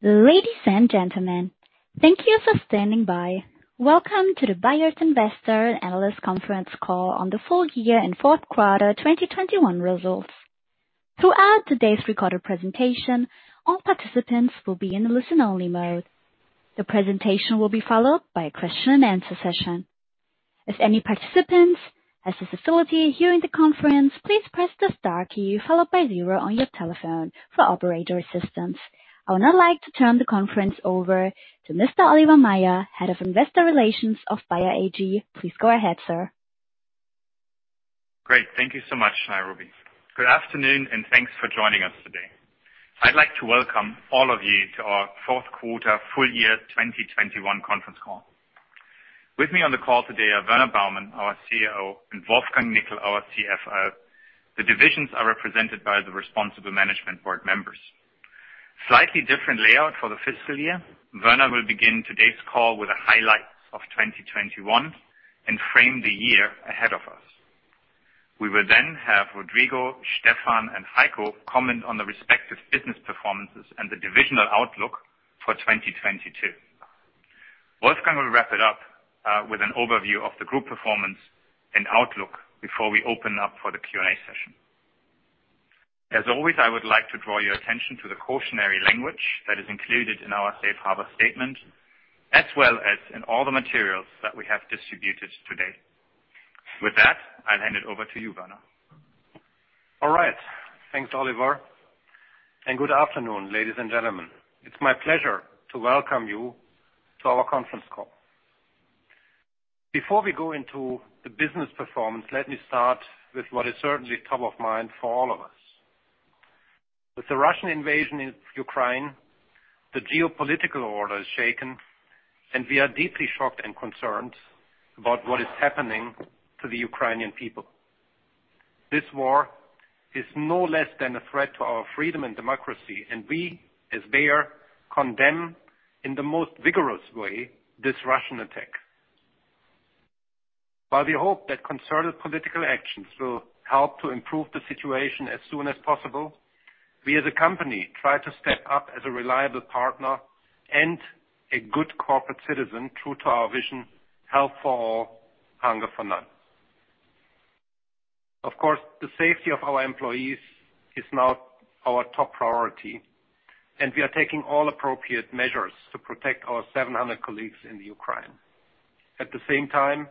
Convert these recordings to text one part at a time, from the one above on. Ladies and gentlemen, thank you for standing by. Welcome to Bayer's Investor Analyst Conference Call on the full year and fourth quarter 2021 results. Throughout today's recorded presentation, all participants will be in listen-only mode. The presentation will be followed by a question-and-answer session. If any participants has the facility here in the conference, please press the star key followed by zero on your telephone for operator assistance. I would now like to turn the conference over to Mr. Oliver Maier, Head of Investor Relations of Bayer AG. Please go ahead, sir. Great. Thank you so much, Nairobi. Good afternoon, and thanks for joining us today. I'd like to welcome all of you to our fourth quarter full year 2021 conference call. With me on the call today are Werner Baumann, our CEO, and Wolfgang Nickl, our CFO. The divisions are represented by the responsible management board members. Slightly different layout for the fiscal year. Werner will begin today's call with the highlights of 2021 and frame the year ahead of us. We will then have Rodrigo, Stefan, and Heiko comment on the respective business performances and the divisional outlook for 2022. Wolfgang will wrap it up with an overview of the group performance and outlook before we open up for the Q&A session. As always, I would like to draw your attention to the cautionary language that is included in our safe harbor statement, as well as in all the materials that we have distributed today. With that, I'll hand it over to you, Werner. All right. Thanks, Oliver, and good afternoon, ladies and gentlemen. It's my pleasure to welcome you to our conference call. Before we go into the business performance, let me start with what is certainly top of mind for all of us. With the Russian invasion in Ukraine, the geopolitical order is shaken, and we are deeply shocked and concerned about what is happening to the Ukrainian people. This war is no less than a threat to our freedom and democracy, and we, as Bayer, condemn in the most vigorous way this Russian attack. While we hope that concerted political actions will help to improve the situation as soon as possible, we as a company try to step up as a reliable partner and a good corporate citizen, true to our vision, Health for All, Hunger for None. Of course, the safety of our employees is now our top priority, and we are taking all appropriate measures to protect our 700 colleagues in the Ukraine. At the same time,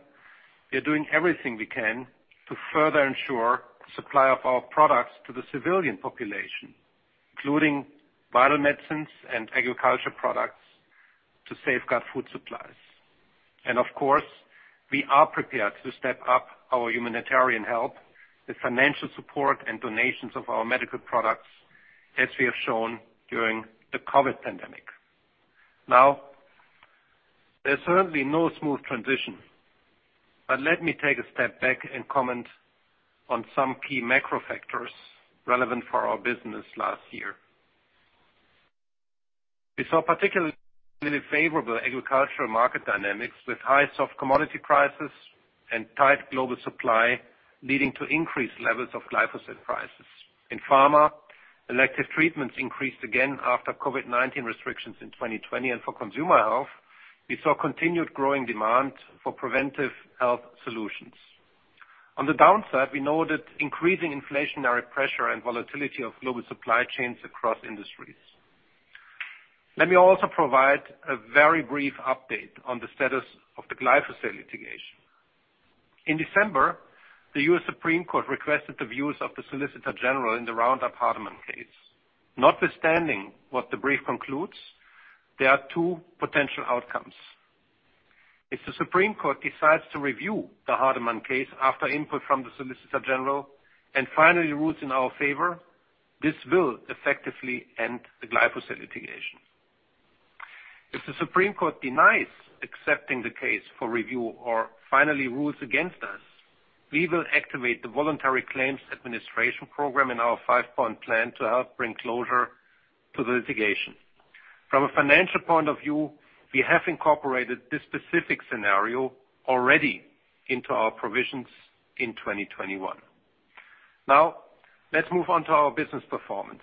we are doing everything we can to further ensure supply of our products to the civilian population, including vital medicines and agriculture products to safeguard food supplies. Of course, we are prepared to step up our humanitarian help with financial support and donations of our medical products as we have shown during the COVID pandemic. Now, there's certainly no smooth transition, but let me take a step back and comment on some key macro factors relevant for our business last year. We saw particularly favorable agricultural market dynamics with high soft commodity prices and tight global supply, leading to increased levels of glyphosate prices. In pharma, elective treatments increased again after COVID-19 restrictions in 2020, and for consumer health, we saw continued growing demand for preventive health solutions. On the downside, we noted increasing inflationary pressure and volatility of global supply chains across industries. Let me also provide a very brief update on the status of the glyphosate litigation. In December, the U.S. Supreme Court requested the views of the Solicitor General in the Roundup Hardeman case. Notwithstanding what the brief concludes, there are two potential outcomes. If the Supreme Court decides to review the Hardeman case after input from the Solicitor General and finally rules in our favor, this will effectively end the glyphosate litigation. If the Supreme Court denies accepting the case for review or finally rules against us, we will activate the voluntary claims administration program in our five-point plan to help bring closure to the litigation. From a financial point of view, we have incorporated this specific scenario already into our provisions in 2021. Now, let's move on to our business performance.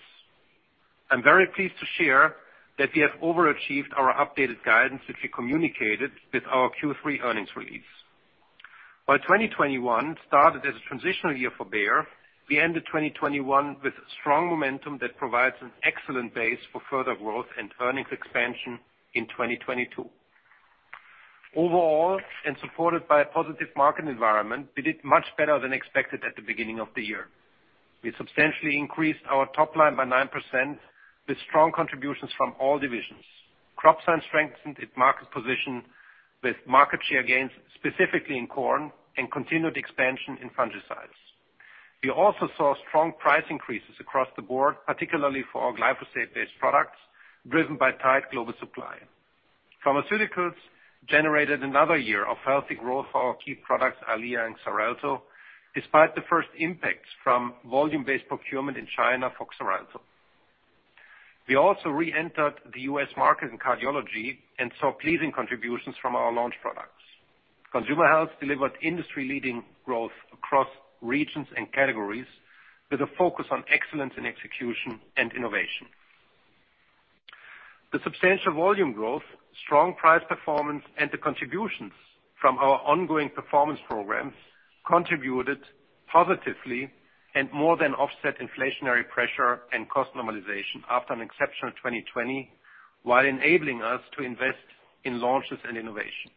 I'm very pleased to share that we have overachieved our updated guidance, which we communicated with our Q3 earnings release. While 2021 started as a transitional year for Bayer, we ended 2021 with strong momentum that provides an excellent base for further growth and earnings expansion in 2022. Overall, supported by a positive market environment, we did much better than expected at the beginning of the year. We substantially increased our top line by 9% with strong contributions from all divisions. Crop Science strengthened its market position with market share gains, specifically in corn and continued expansion in fungicides. We also saw strong price increases across the board, particularly for our glyphosate-based products, driven by tight global supply. Pharmaceuticals generated another year of healthy growth for our key products, Eylea and Xarelto, despite the first impacts from volume-based procurement in China for Xarelto. We also re-entered the U.S. market in cardiology and saw pleasing contributions from our launch products. Consumer Health delivered industry-leading growth across regions and categories with a focus on excellence in execution and innovation. The substantial volume growth, strong price performance, and the contributions from our ongoing performance programs contributed positively and more than offset inflationary pressure and cost normalization after an exceptional 2020, while enabling us to invest in launches and innovation.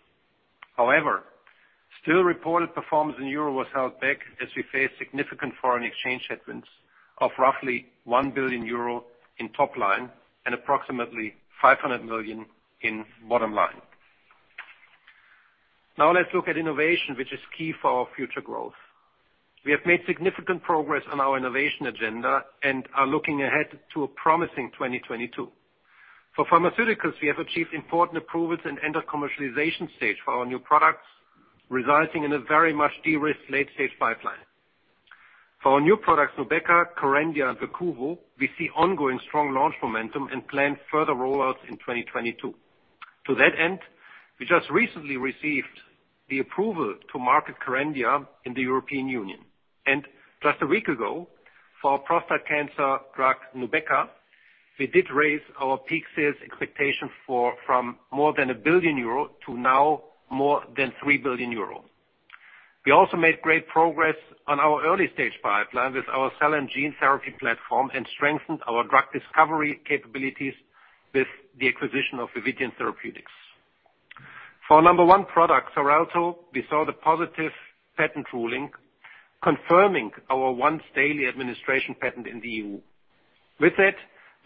However, still reported performance in euro was held back as we face significant foreign exchange headwinds of roughly 1 billion euro in top line and approximately 500 million in bottom line. Now let's look at innovation, which is key for our future growth. We have made significant progress on our innovation agenda and are looking ahead to a promising 2022. For Pharmaceuticals, we have achieved important approvals and enter commercialization stage for our new products, resulting in a very much de-risked late-stage pipeline. For our new products, Nubeqa, Kerendia, and Verquvo, we see ongoing strong launch momentum and plan further rollouts in 2022. To that end, we just recently received the approval to market Kerendia in the European Union. Just a week ago, for prostate cancer drug Nubeqa, we did raise our peak sales expectation from more than 1 billion euro to now more than 3 billion euro. We also made great progress on our early-stage pipeline with our cell and gene therapy platform, and strengthened our drug discovery capabilities with the acquisition of Vividion Therapeutics. For our number one product, Xarelto, we saw the positive patent ruling confirming our once daily administration patent in the EU. With it,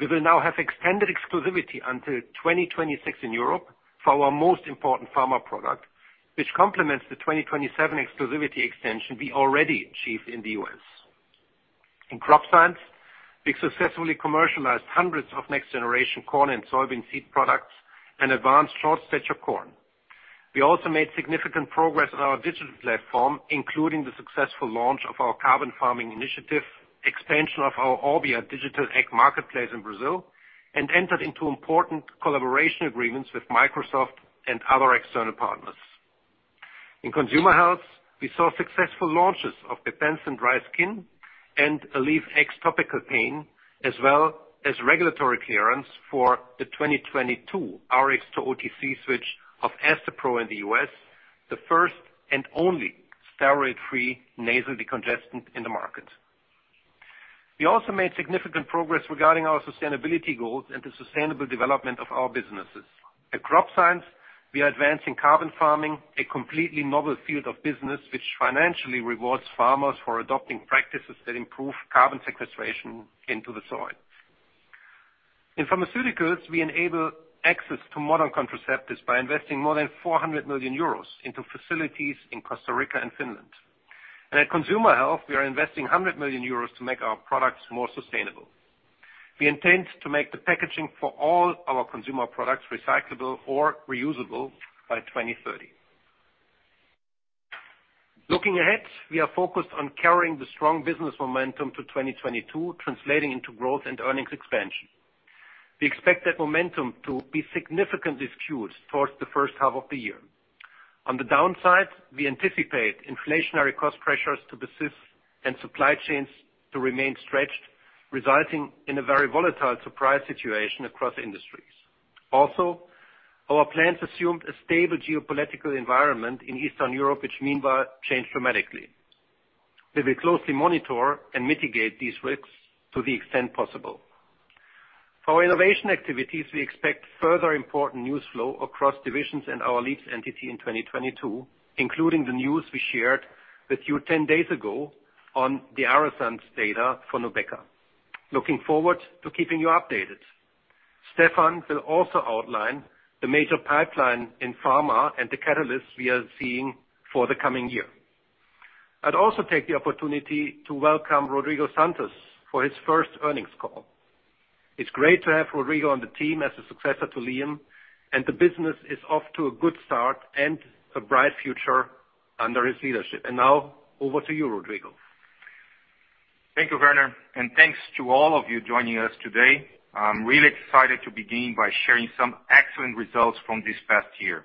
we will now have extended exclusivity until 2026 in Europe for our most important pharma product, which complements the 2027 exclusivity extension we already achieved in the U.S. In Crop Science, we successfully commercialized hundreds of next generation corn and soybean seed products and advanced short stature corn. We also made significant progress on our digital platform, including the successful launch of our carbon farming initiative, expansion of our Orbia Digital Ag Marketplace in Brazil, and entered into important collaboration agreements with Microsoft and other external partners. In Consumer Health, we saw successful launches of Defense and Dry Skin and AleveX Topical Pain, as well as regulatory clearance for the 2022 Rx-to-OTC switch of Astepro in the U.S., the first and only steroid-free nasal decongestant in the market. We also made significant progress regarding our sustainability goals and the sustainable development of our businesses. At Crop Science, we are advancing carbon farming, a completely novel field of business which financially rewards farmers for adopting practices that improve carbon sequestration into the soil. In Pharmaceuticals, we enable access to modern contraceptives by investing more than 400 million euros into facilities in Costa Rica and Finland. At Consumer Health, we are investing 100 million euros to make our products more sustainable. We intend to make the packaging for all our consumer products recyclable or reusable by 2030. Looking ahead, we are focused on carrying the strong business momentum to 2022, translating into growth and earnings expansion. We expect that momentum to be significantly skewed towards the first half of the year. On the downside, we anticipate inflationary cost pressures to persist and supply chains to remain stretched, resulting in a very volatile supply situation across industries. Also, our plans assumed a stable geopolitical environment in Eastern Europe, which meanwhile changed dramatically. We will closely monitor and mitigate these risks to the extent possible. For innovation activities, we expect further important news flow across divisions in our Leaps entity in 2022, including the news we shared with you ten days ago on the ARASENS data for Nubeqa. Looking forward to keeping you updated. Stefan will also outline the major pipeline in Pharma and the catalysts we are seeing for the coming year. I'd also take the opportunity to welcome Rodrigo Santos for his first earnings call. It's great to have Rodrigo on the team as a successor to Liam, and the business is off to a good start and a bright future under his leadership. Now over to you, Rodrigo. Thank you, Werner, and thanks to all of you joining us today. I'm really excited to begin by sharing some excellent results from this past year.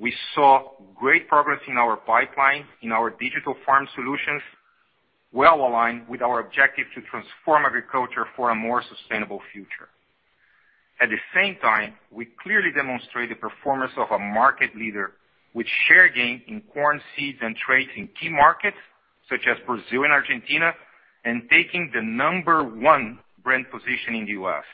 We saw great progress in our pipeline, in our digital farm solutions, well aligned with our objective to transform agriculture for a more sustainable future. At the same time, we clearly demonstrate the performance of a market leader with share gain in corn seeds and traits in key markets such as Brazil and Argentina, and taking the number one brand position in the U.S.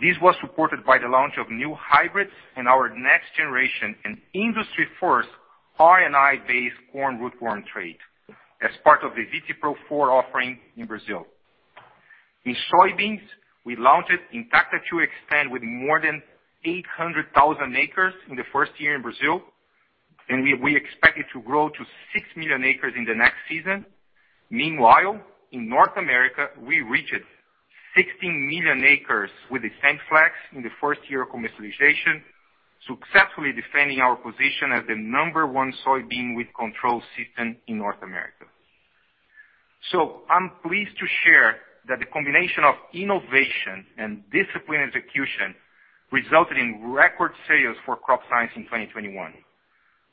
This was supported by the launch of new hybrids and our next generation and industry-first RNAi-based corn rootworm trait as part of the VT Pro4 offering in Brazil. In soybeans, we launched Intacta 2 Xtend with more than 800,000 acres in the first year in Brazil, and we expect it to grow to 6 million acres in the next season. Meanwhile, in North America, we reached 16 million acres with XtendFlex in the first year of commercialization, successfully defending our position as the number one soybean with control system in North America. I'm pleased to share that the combination of innovation and disciplined execution resulted in record sales for Crop Science in 2021,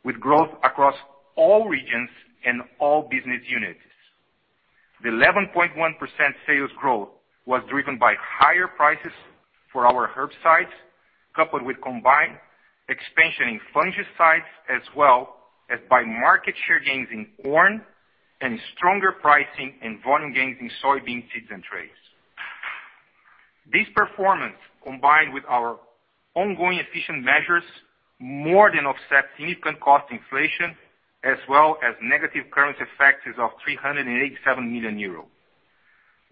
with growth across all regions and all business units. The 11.1% sales growth was driven by higher prices for our herbicides, coupled with combined expansion in fungicides, as well as by market share gains in corn and stronger pricing and volume gains in soybean seeds and traits. This performance, combined with our ongoing efficient measures, more than offset significant cost inflation, as well as negative currency effects of 387 million euros.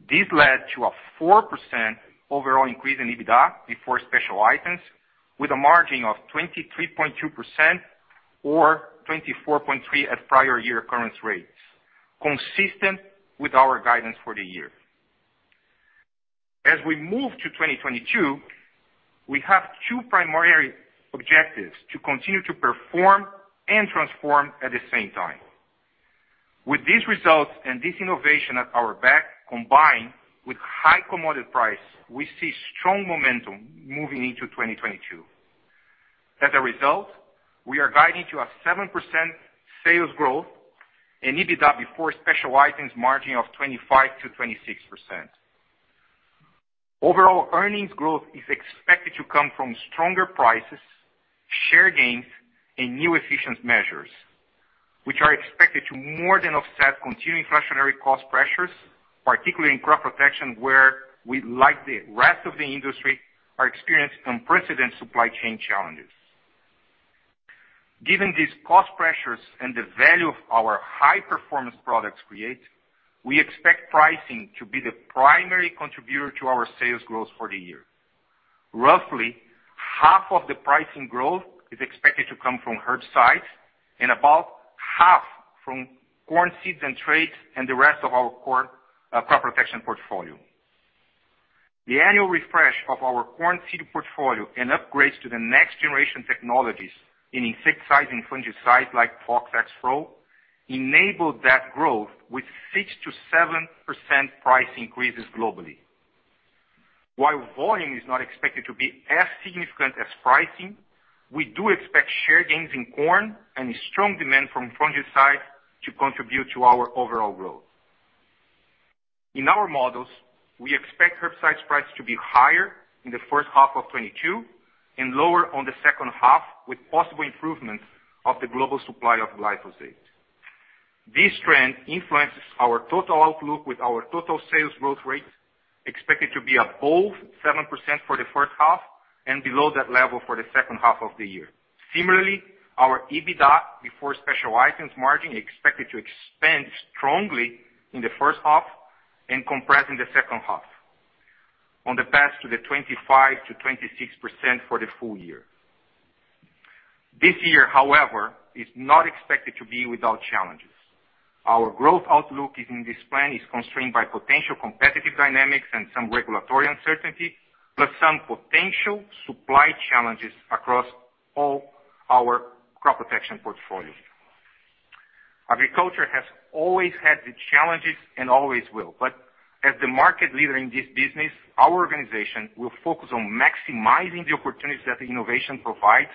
This led to a 4% overall increase in EBITDA before special items with a margin of 23.2% or 24.3% at prior year currency rates, consistent with our guidance for the year. As we move to 2022, we have two primary objectives, to continue to perform and transform at the same time. With these results and this innovation at our back, combined with high commodity price, we see strong momentum moving into 2022. As a result, we are guiding to a 7% sales growth and EBITDA before special items margin of 25%-26%. Overall earnings growth is expected to come from stronger prices, share gains and new efficient measures, which are expected to more than offset continuing inflationary cost pressures, particularly in crop protection, where we, like the rest of the industry, are experiencing unprecedented supply chain challenges. Given these cost pressures and the value of our high-performance products create, we expect pricing to be the primary contributor to our sales growth for the year. Roughly half of the pricing growth is expected to come from herbicides and about half from corn seeds and traits and the rest of our corn crop protection portfolio. The annual refresh of our corn seed portfolio and upgrades to the next generation technologies in insecticides and fungicides like Fox Xpro enable that growth with 6%-7% price increases globally. While volume is not expected to be as significant as pricing, we do expect share gains in corn and strong demand from fungicides to contribute to our overall growth. In our models, we expect herbicide prices to be higher in the first half of 2022 and lower in the second half, with possible improvement of the global supply of glyphosate. This trend influences our total outlook, with our total sales growth rate expected to be above 7% for the first half and below that level for the second half of the year. Similarly, our EBITDA before special items margin is expected to expand strongly in the first half and compress in the second half on the path to the 25%-26% for the full year. This year, however, is not expected to be without challenges. Our growth outlook in this plan is constrained by potential competitive dynamics and some regulatory uncertainty, plus some potential supply challenges across all our crop protection portfolio. Agriculture has always had its challenges and always will. As the market leader in this business, our organization will focus on maximizing the opportunities that the innovation provides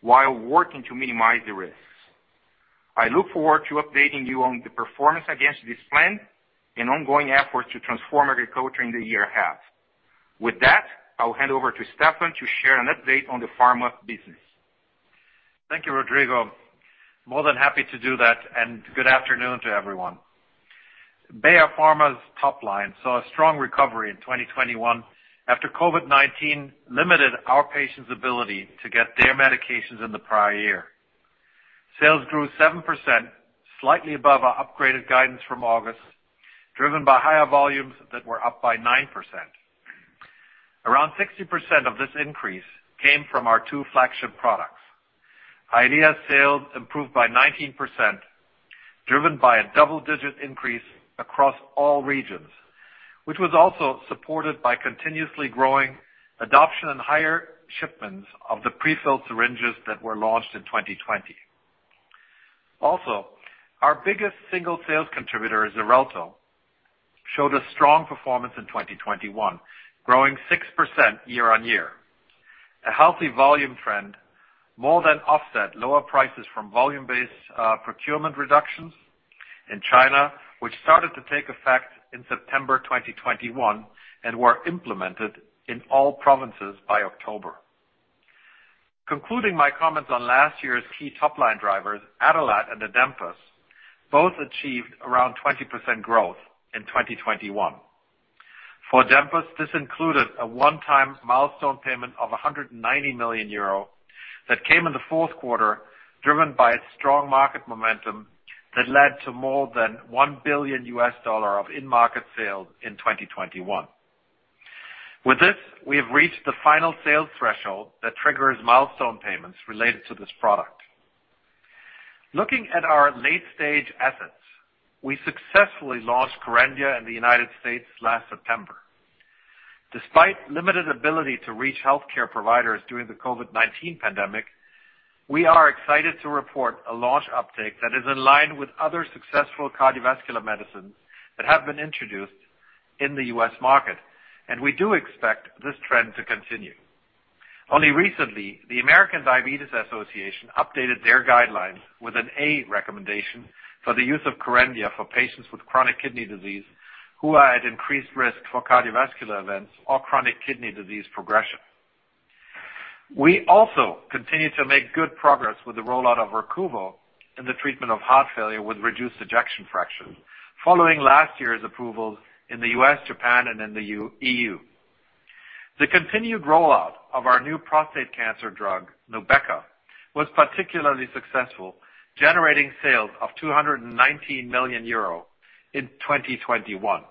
while working to minimize the risks. I look forward to updating you on the performance against this plan and ongoing efforts to transform agriculture in the second half. With that, I'll hand over to Stefan to share an update on the pharma business. Thank you, Rodrigo. More than happy to do that and good afternoon to everyone. Bayer Pharma's top line saw a strong recovery in 2021 after COVID-19 limited our patients' ability to get their medications in the prior year. Sales grew 7%, slightly above our upgraded guidance from August, driven by higher volumes that were up by 9%. Around 60% of this increase came from our two flagship products. Eylea sales improved by 19%, driven by a double-digit increase across all regions, which was also supported by continuously growing adoption and higher shipments of the pre-filled syringes that were launched in 2020. Also, our biggest single sales contributor, Xarelto, showed a strong performance in 2021, growing 6% year-on-year. A healthy volume trend more than offset lower prices from volume-based procurement reductions in China, which started to take effect in September 2021 and were implemented in all provinces by October. Concluding my comments on last year's key top-line drivers, Adalat and Adempas both achieved around 20% growth in 2021. For Adempas, this included a one-time milestone payment of 190 million euro that came in the fourth quarter, driven by its strong market momentum that led to more than $1 billion of in-market sales in 2021. With this, we have reached the final sales threshold that triggers milestone payments related to this product. Looking at our late-stage assets, we successfully launched Kerendia in the United States last September. Despite limited ability to reach healthcare providers during the COVID-19 pandemic, we are excited to report a launch uptake that is in line with other successful cardiovascular medicines that have been introduced in the U.S. market, and we do expect this trend to continue. Only recently, the American Diabetes Association updated their guidelines with an A recommendation for the use of Kerendia for patients with chronic kidney disease who are at increased risk for cardiovascular events or chronic kidney disease progression. We also continue to make good progress with the rollout of Verquvo in the treatment of heart failure with reduced ejection fraction following last year's approvals in the U.S., Japan, and in the EU. The continued rollout of our new prostate cancer drug, Nubeqa, was particularly successful, generating sales of 219 million euro in 2021.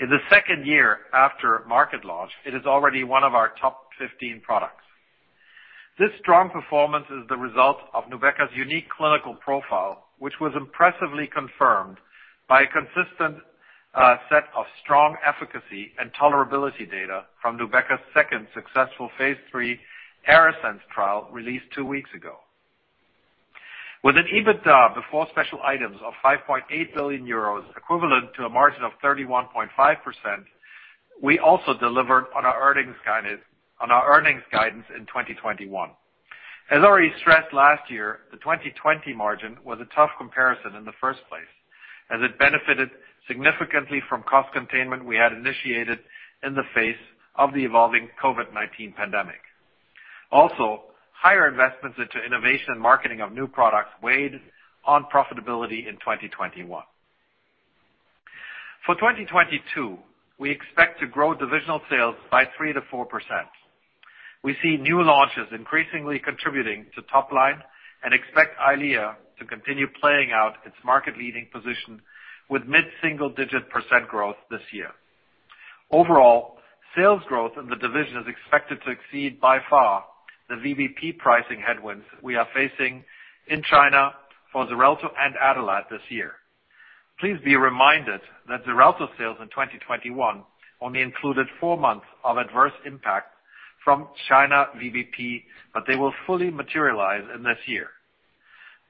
In the second year after market launch, it is already one of our top 15 products. This strong performance is the result of Nubeqa's unique clinical profile, which was impressively confirmed by a consistent set of strong efficacy and tolerability data from Nubeqa's second successful phase III ARASENS trial released two weeks ago. With an EBITDA before special items of 5.8 billion euros, equivalent to a margin of 31.5%, we also delivered on our earnings guidance in 2021. As already stressed last year, the 2020 margin was a tough comparison in the first place, as it benefited significantly from cost containment we had initiated in the face of the evolving COVID-19 pandemic. Higher investments into innovation and marketing of new products weighed on profitability in 2021. For 2022, we expect to grow divisional sales by 3%-4%. We see new launches increasingly contributing to top line and expect Eylea to continue playing out its market-leading position with mid-single-digit % growth this year. Overall, sales growth in the division is expected to exceed by far the VBP pricing headwinds we are facing in China for Xarelto and Adalat this year. Please be reminded that Xarelto sales in 2021 only included 4 months of adverse impact from China VBP, but they will fully materialize in this year.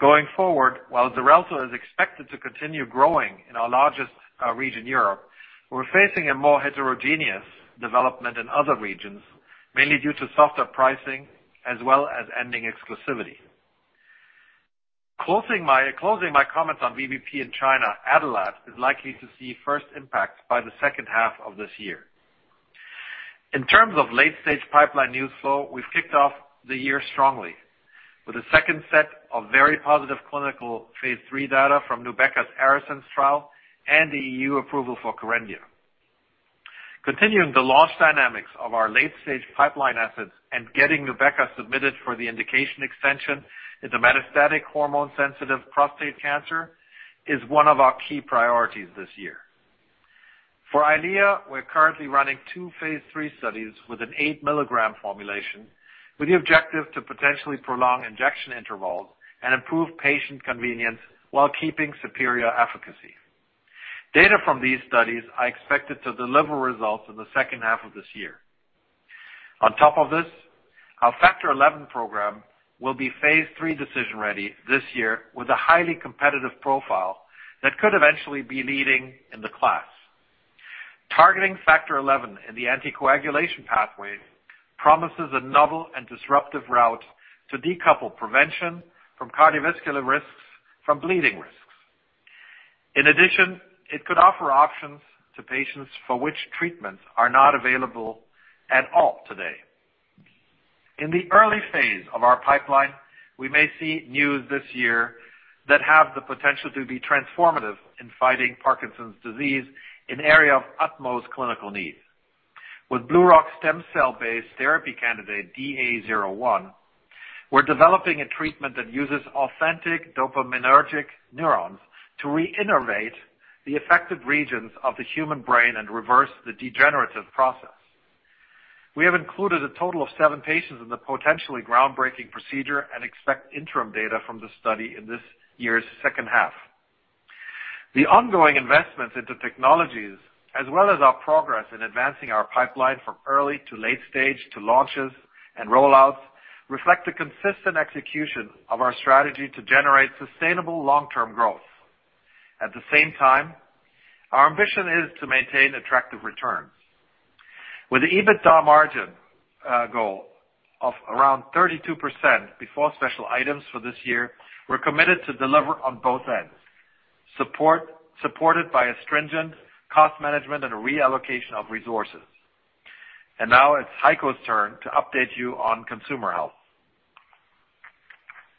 Going forward, while Xarelto is expected to continue growing in our largest region, Europe, we're facing a more heterogeneous development in other regions, mainly due to softer pricing as well as ending exclusivity. Closing my comments on VBP in China, Adalat is likely to see first impacts by the second half of this year. In terms of late-stage pipeline news flow, we've kicked off the year strongly with a second set of very positive clinical phase III data from Nubeqa's ARASENS trial and the EU approval for Kerendia. Continuing the launch dynamics of our late-stage pipeline assets and getting Nubeqa submitted for the indication extension into metastatic hormone-sensitive prostate cancer is one of our key priorities this year. For Eylea, we're currently running two phase III studies with an 8-milligram formulation, with the objective to potentially prolong injection intervals and improve patient convenience while keeping superior efficacy. Data from these studies are expected to deliver results in the second half of this year. On top of this, our Factor XI program will be phase III decision ready this year with a highly competitive profile that could eventually be leading in the class. Targeting Factor XI in the anticoagulation pathway promises a novel and disruptive route to decouple prevention from cardiovascular risks from bleeding risks. In addition, it could offer options to patients for which treatments are not available at all today. In the early phase of our pipeline, we may see news this year that have the potential to be transformative in fighting Parkinson's disease, an area of utmost clinical need. With BlueRock stem cell-based therapy candidate DA01, we're developing a treatment that uses authentic dopaminergic neurons to reinnervate the affected regions of the human brain and reverse the degenerative process. We have included a total of seven patients in the potentially groundbreaking procedure and expect interim data from the study in this year's second half. The ongoing investments into technologies, as well as our progress in advancing our pipeline from early to late stage to launches and rollouts, reflect a consistent execution of our strategy to generate sustainable long-term growth. At the same time, our ambition is to maintain attractive returns. With the EBITDA margin goal of around 32% before special items for this year, we're committed to deliver on both ends, supported by a stringent cost management and a reallocation of resources. Now it's Heiko's turn to update you on Consumer Health.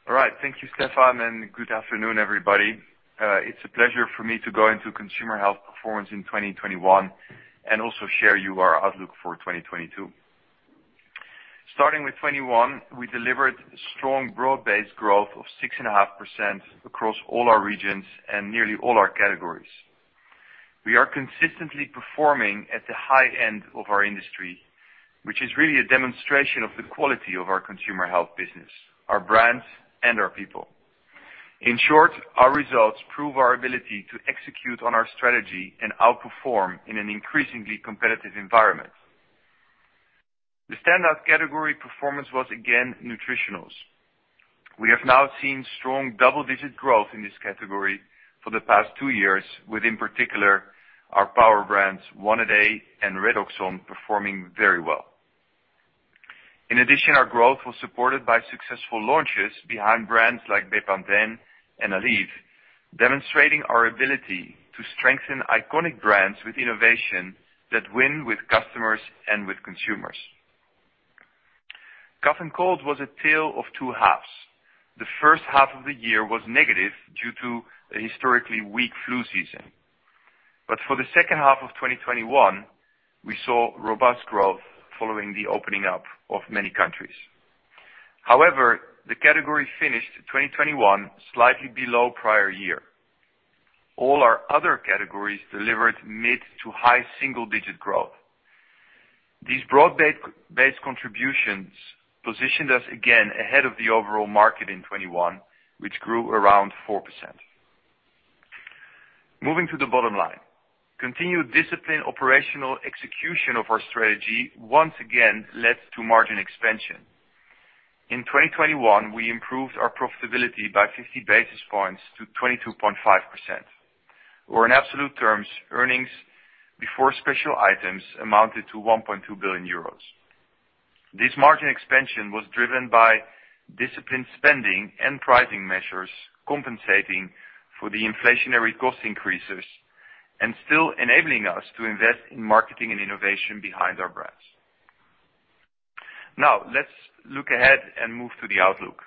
All right. Thank you, Stefan, and good afternoon, everybody. It's a pleasure for me to go into Consumer Health performance in 2021 and also share with you our outlook for 2022. Starting with 2021, we delivered strong broad-based growth of 6.5% across all our regions and nearly all our categories. We are consistently performing at the high end of our industry, which is really a demonstration of the quality of our Consumer Health business, our brands, and our people. In short, our results prove our ability to execute on our strategy and outperform in an increasingly competitive environment. The standout category performance was again Nutritionals. We have now seen strong double-digit growth in this category for the past two years, with in particular our power brands, One A Day and Redoxon performing very well. In addition, our growth was supported by successful launches behind brands like Bepanthen and Aleve, demonstrating our ability to strengthen iconic brands with innovation that win with customers and with consumers. Cough and cold was a tale of two halves. The first half of the year was negative due to a historically weak flu season. For the second half of 2021, we saw robust growth following the opening up of many countries. However, the category finished 2021 slightly below prior year. All our other categories delivered mid to high single-digit growth. These broad-based contributions positioned us again ahead of the overall market in 2021, which grew around 4%. Moving to the bottom line. Continued disciplined operational execution of our strategy once again led to margin expansion. In 2021, we improved our profitability by 50 basis points to 22.5%. In absolute terms, earnings before special items amounted to 1.2 billion euros. This margin expansion was driven by disciplined spending and pricing measures, compensating for the inflationary cost increases and still enabling us to invest in marketing and innovation behind our brands. Now, let's look ahead and move to the outlook.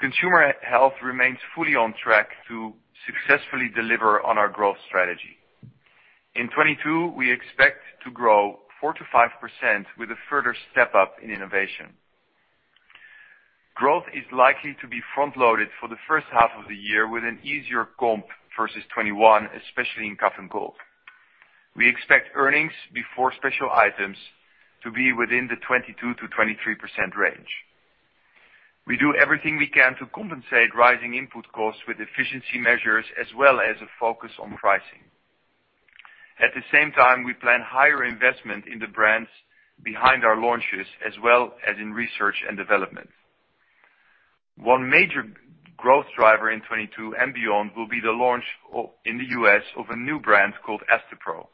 Consumer Health remains fully on track to successfully deliver on our growth strategy. In 2022, we expect to grow 4%-5% with a further step up in innovation. Growth is likely to be front-loaded for the first half of the year with an easier comp versus 2021, especially in cough and cold. We expect earnings before special items to be within the 22%-23% range. We do everything we can to compensate rising input costs with efficiency measures as well as a focus on pricing. At the same time, we plan higher investment in the brands behind our launches as well as in research and development. One major growth driver in 2022 and beyond will be the launch in the U.S. of a new brand called Astepro.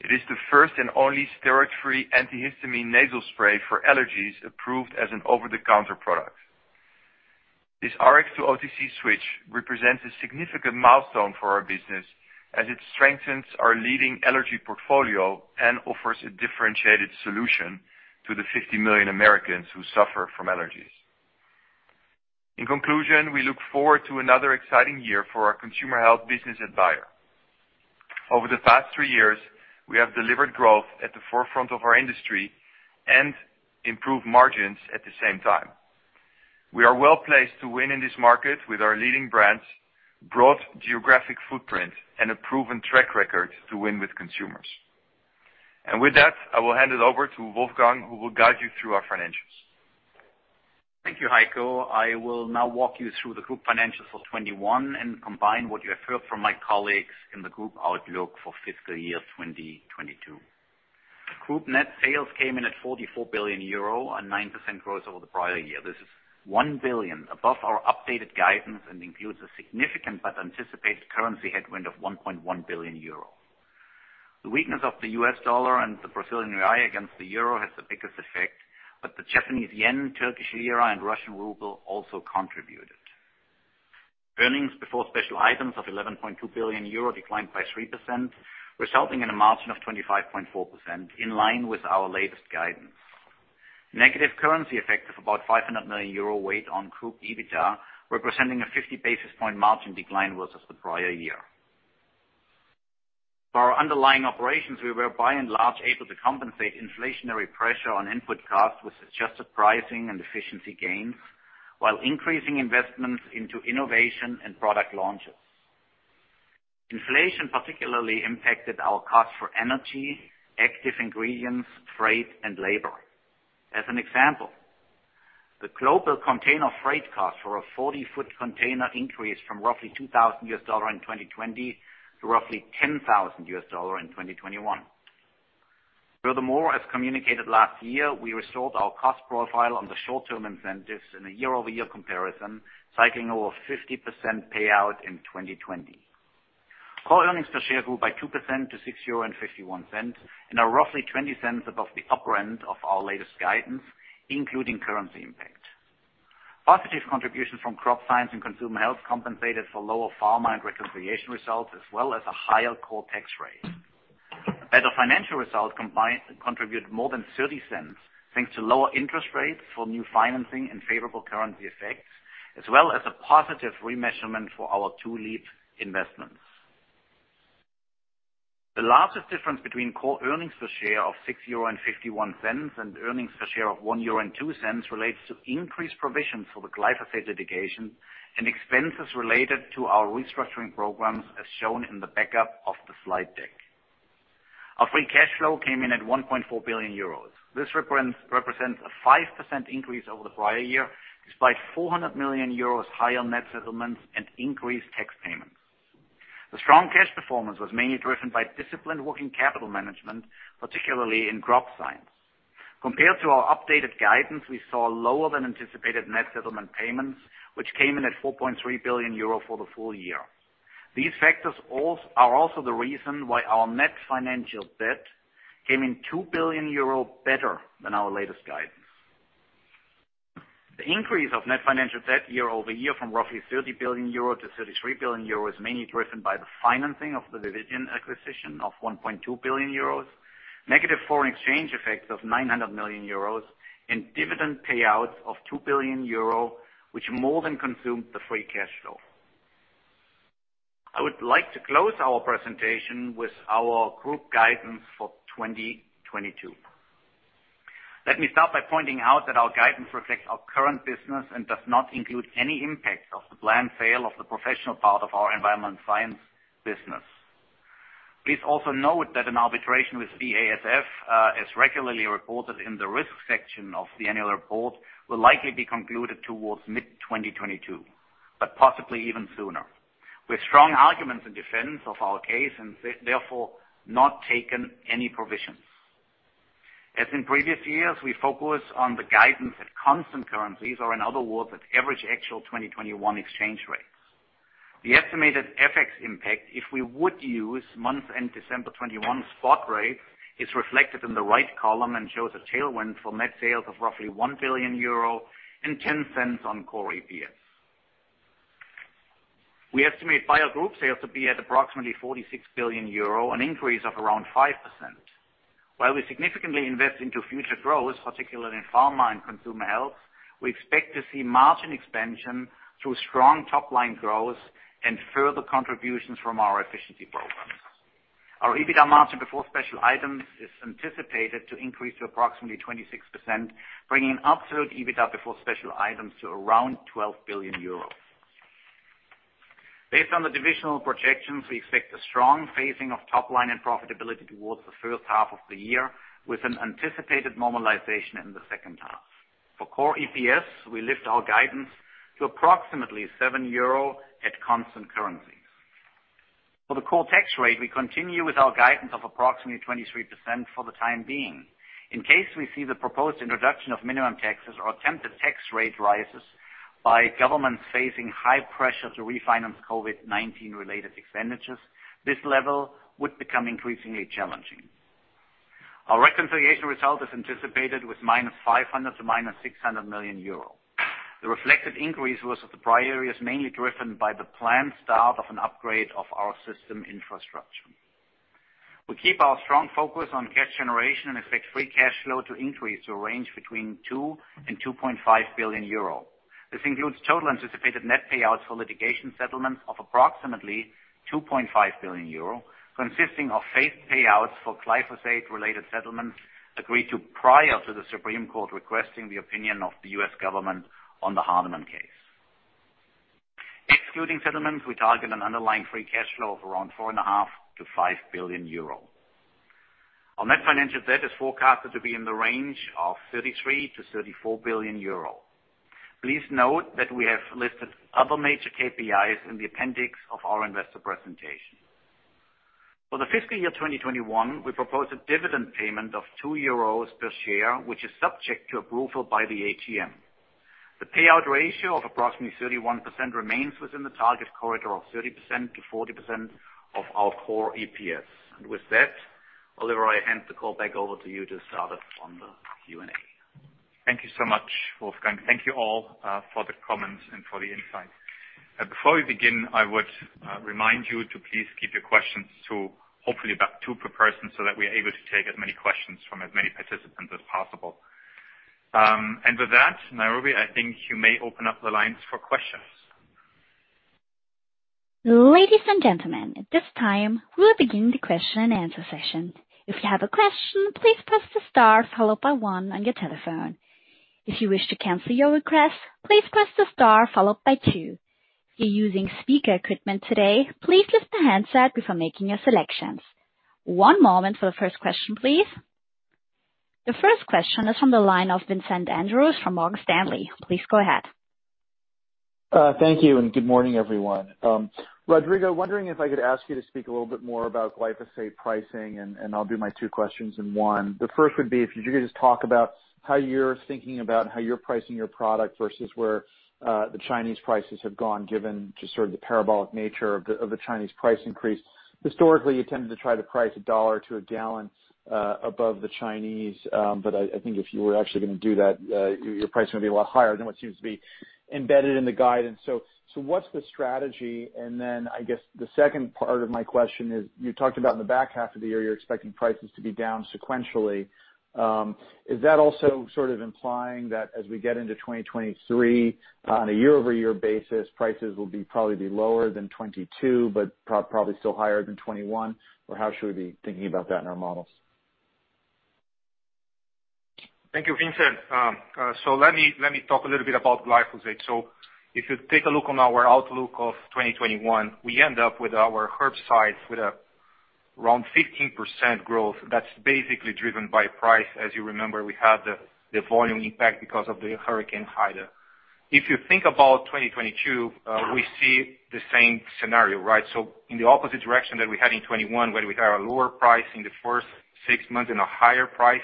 It is the first and only steroid-free antihistamine nasal spray for allergies approved as an over-the-counter product. This Rx-to-OTC switch represents a significant milestone for our business as it strengthens our leading allergy portfolio and offers a differentiated solution to the 50 million Americans who suffer from allergies. In conclusion, we look forward to another exciting year for our Consumer Health business at Bayer. Over the past 3 years, we have delivered growth at the forefront of our industry and improved margins at the same time. We are well-placed to win in this market with our leading brands, broad geographic footprint, and a proven track record to win with consumers. With that, I will hand it over to Wolfgang, who will guide you through our financials. Thank you, Heiko. I will now walk you through the group financials for 2021 and combine what you have heard from my colleagues in the group outlook for fiscal year 2022. Group net sales came in at 44 billion euro, a 9% growth over the prior year. This is 1 billion above our updated guidance and includes a significant but anticipated currency headwind of 1.1 billion euro. The weakness of the U.S. dollar and the Brazilian real against the euro has the biggest effect, but the Japanese yen, Turkish lira, and Russian ruble also contributed. Earnings before special items of 11.2 billion euro declined by 3%, resulting in a margin of 25.4% in line with our latest guidance. Negative currency effect of about 500 million euro weighed on group EBITDA, representing a 50 basis point margin decline versus the prior year. For our underlying operations, we were by and large able to compensate inflationary pressure on input costs with adjusted pricing and efficiency gains while increasing investments into innovation and product launches. Inflation particularly impacted our cost for energy, active ingredients, freight, and labor. As an example, the global container freight cost for a forty-foot container increased from roughly $2,000 in 2020 to roughly $10,000 in 2021. Furthermore, as communicated last year, we restored our cost profile on the short-term incentives in a year-over-year comparison, cycling over 50% payout in 2020. Core earnings per share grew by 2% to 6.51 euro and are roughly 20 cents above the upper end of our latest guidance, including currency impact. Positive contributions from Crop Science and Consumer Health compensated for lower Pharma and Reconciliation results, as well as a higher core tax rate. A better financial result contribute more than 30 cents, thanks to lower interest rates for new financing and favorable currency effects, as well as a positive remeasurement for our Leaps investments. The largest difference between core earnings per share of 6.51 euro and earnings per share of 1.02 euro relates to increased provisions for the glyphosate litigation and expenses related to our restructuring programs, as shown in the backup of the slide deck. Our free cash flow came in at 1.4 billion euros. This represents a 5% increase over the prior year, despite 400 million euros higher net settlements and increased tax payments. The strong cash performance was mainly driven by disciplined working capital management, particularly in Crop Science. Compared to our updated guidance, we saw lower than anticipated net settlement payments, which came in at 4.3 billion euro for the full year. These factors are also the reason why our net financial debt came in 2 billion euro better than our latest guidance. The increase of net financial debt year-over-year from roughly 30 billion euro to 33 billion euros, mainly driven by the financing of the division acquisition of 1.2 billion euros, negative foreign exchange effects of 900 million euros and dividend payouts of 2 billion euro, which more than consumed the free cash flow. I would like to close our presentation with our group guidance for 2022. Let me start by pointing out that our guidance reflects our current business and does not include any impact of the planned sale of the professional part of our Environmental Science business. Please also note that an arbitration with BASF, as regularly reported in the risk section of the annual report, will likely be concluded towards mid-2022, but possibly even sooner. With strong arguments in defense of our case and therefore not taken any provisions. As in previous years, we focus on the guidance at constant currencies or in other words, at average actual 2021 exchange rates. The estimated FX impact, if we would use month-end December 2021 spot rate, is reflected in the right column and shows a tailwind for net sales of roughly 1 billion euro and 10 cents on Core EPS. We estimate Bayer Group sales to be at approximately 46 billion euro, an increase of around 5%. While we significantly invest into future growth, particularly in Pharmaceuticals and Consumer Health, we expect to see margin expansion through strong top-line growth and further contributions from our efficiency programs. Our EBITDA margin before special items is anticipated to increase to approximately 26%, bringing absolute EBITDA before special items to around 12 billion euros. Based on the divisional projections, we expect a strong phasing of top-line and profitability towards the first half of the year, with an anticipated normalization in the second half. For core EPS, we lift our guidance to approximately 7 euro at constant currencies. For the core tax rate, we continue with our guidance of approximately 23% for the time being. In case we see the proposed introduction of minimum taxes or attempted tax rate rises by governments facing high pressure to refinance COVID-19 related expenditures, this level would become increasingly challenging. Our reconciliation result is anticipated with -500 million to -600 million euro. The reflected increase over the prior year is mainly driven by the planned start of an upgrade of our system infrastructure. We keep our strong focus on cash generation and expect free cash flow to increase to a range between 2 billion and 2.5 billion euro. This includes total anticipated net payouts for litigation settlements of approximately 2.5 billion euro, consisting of faith payouts for glyphosate related settlements agreed to prior to the Supreme Court requesting the opinion of the U.S. government on the Hardeman case. Excluding settlements, we target an underlying free cash flow of around 4.5 billion-5 billion euro. Our net financial debt is forecasted to be in the range of 33 billion-34 billion euro. Please note that we have listed other major KPIs in the appendix of our investor presentation. For the fiscal year 2021, we propose a dividend payment of 2 euros per share, which is subject to approval by the AGM. The payout ratio of approximately 31% remains within the target corridor of 30%-40% of our core EPS. With that, Oliver, I hand the call back over to you to start us on the Q&A. Thank you so much, Wolfgang. Thank you all for the comments and for the insight. Before we begin, I would remind you to please keep your questions to hopefully about two per person, so that we are able to take as many questions from as many participants as possible. With that, Nairobi, I think you may open up the lines for questions. Ladies and gentlemen, at this time, we'll begin the question and answer session. If you have a question, please press the star followed by one on your telephone. If you wish to cancel your request, please press the star followed by two. If you're using speaker equipment today, please lift the handset before making your selections. One moment for the first question, please. The first question is from the line of Vincent Andrews from Morgan Stanley. Please go ahead. Thank you and good morning, everyone. Rodrigo, wondering if I could ask you to speak a little bit more about glyphosate pricing, and I'll do my two questions in one. The first would be if you could just talk about how you're thinking about pricing your product versus where the Chinese prices have gone, given just sort of the parabolic nature of the Chinese price increase. Historically, you tended to try to price $1 per gallon above the Chinese, but I think if you were actually gonna do that, your price would be a lot higher than what seems to be embedded in the guidance. What's the strategy? I guess the second part of my question is you talked about in the back half of the year you're expecting prices to be down sequentially. Is that also sort of implying that as we get into 2023 on a year-over-year basis, prices will be probably lower than 2022 but probably still higher than 2021? Or how should we be thinking about that in our models? Thank you, Vincent. Let me talk a little bit about glyphosate. If you take a look at our outlook for 2021, we end up with our herbicides at around 15% growth. That's basically driven by price. As you remember, we had the volume impact because of Hurricane Ida. If you think about 2022, we see the same scenario, right? In the opposite direction that we had in 2021, where we had a lower price in the first six months and a higher price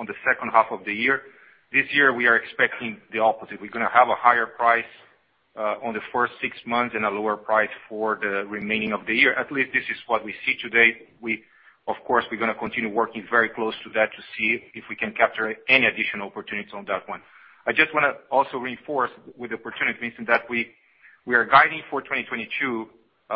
in the second half of the year, this year, we are expecting the opposite. We're gonna have a higher price on the first six months and a lower price for the remaining of the year. At least this is what we see today. Of course, we're gonna continue working very close to that to see if we can capture any additional opportunities on that one. I just wanna also reinforce with the opportunity, Vincent, that we are guiding for 2022,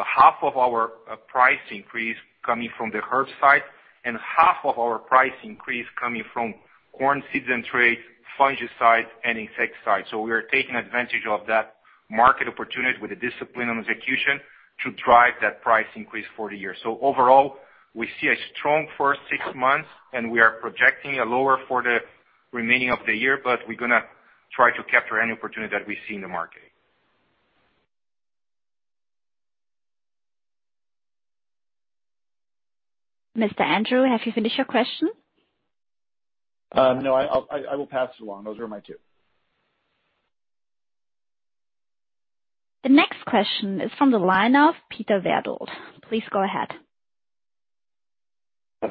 half of our price increase coming from the herbicide side and half of our price increase coming from corn seeds and traits, fungicides, and insecticides. We are taking advantage of that market opportunity with the discipline on execution to drive that price increase for the year. Overall, we see a strong first six months, and we are projecting a lower for the remaining of the year, but we're gonna try to capture any opportunity that we see in the market. Mr. Andrews, have you finished your question? No. I'll pass it along. Those are my two. The next question is from the line of Peter Verdult. Please go ahead.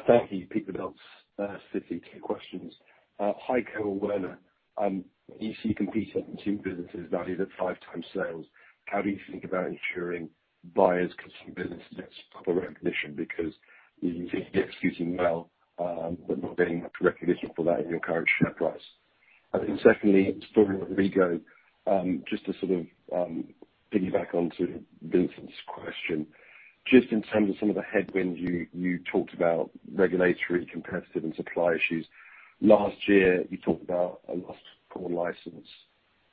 Thank you. Peter Verdult. Certainly. Two questions. Hi, Carsten Werner. If you compare consumer businesses valued at 5x sales, how do you think about ensuring Bayer's consumer business gets proper recognition? Because you think you're executing well, but not getting recognition for that in your current share price. Secondly, for Rodrigo, just to sort of piggyback onto Vincent's question, just in terms of some of the headwinds you talked about, regulatory, competitive, and supply issues. Last year, you talked about a lost corn license,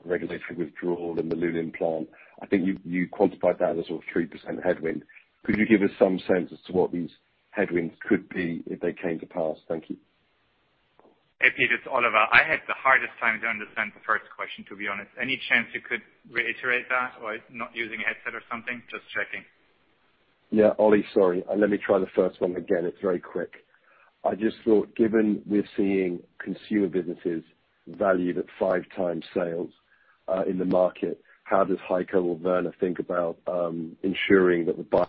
regulatory withdrawal in the Luling plant. I think you quantified that as a 3% headwind. Could you give us some sense as to what these headwinds could be if they came to pass? Thank you. Hey, Peter, it's Oliver. I had the hardest time to understand the first question, to be honest. Any chance you could reiterate that or not using a headset or something? Just checking. Yeah. Ollie, sorry. Let me try the first one again. It's very quick. I just thought given we're seeing consumer businesses valued at 5x sales in the market, how does Heiko or Werner think about ensuring that the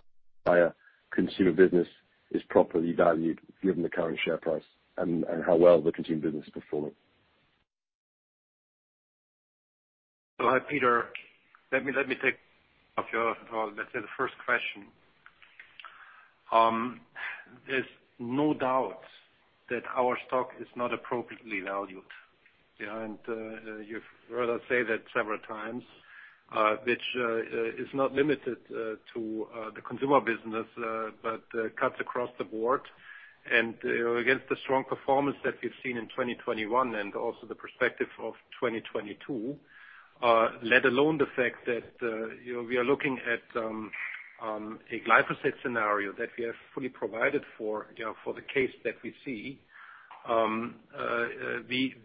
buyer consumer business is properly valued given the current share price and how well the consumer business is performing? Hi, Peter. Let me take, let's say, the first question. There's no doubt that our stock is not appropriately valued. Yeah, you've heard us say that several times, which is not limited to the consumer business, but cuts across the board. Against the strong performance that we've seen in 2021 and also the perspective of 2022, let alone the fact that we are looking at a glyphosate scenario that we have fully provided for the case that we see,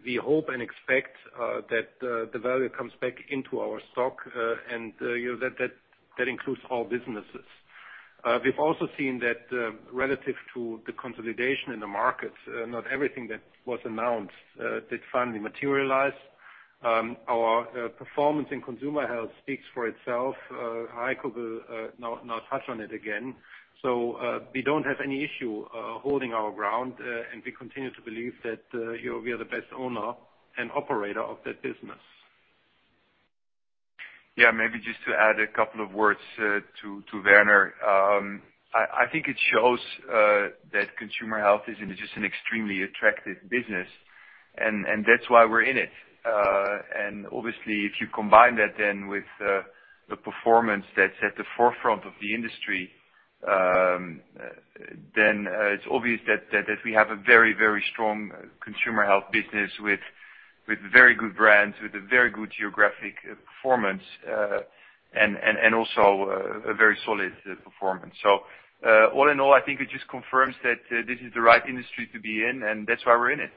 we hope and expect that the value comes back into our stock, and that includes all businesses. We've also seen that, relative to the consolidation in the market, not everything that was announced did finally materialize. Our performance in Consumer Health speaks for itself. Heiko will now touch on it again. We don't have any issue holding our ground, and we continue to believe that we are the best owner and operator of that business. Yeah, maybe just to add a couple of words to Werner, it shows that Consumer Health is just an extremely attractive business, and that's why we're in it. Obviously, if you combine that then with the performance that's at the forefront of the industry, then it's obvious that we have a very strong Consumer Health business with very good brands, with a very good geographic performance, and also a very solid performance. All in all, I think it just confirms that this is the right industry to be in, and that's why we're in it.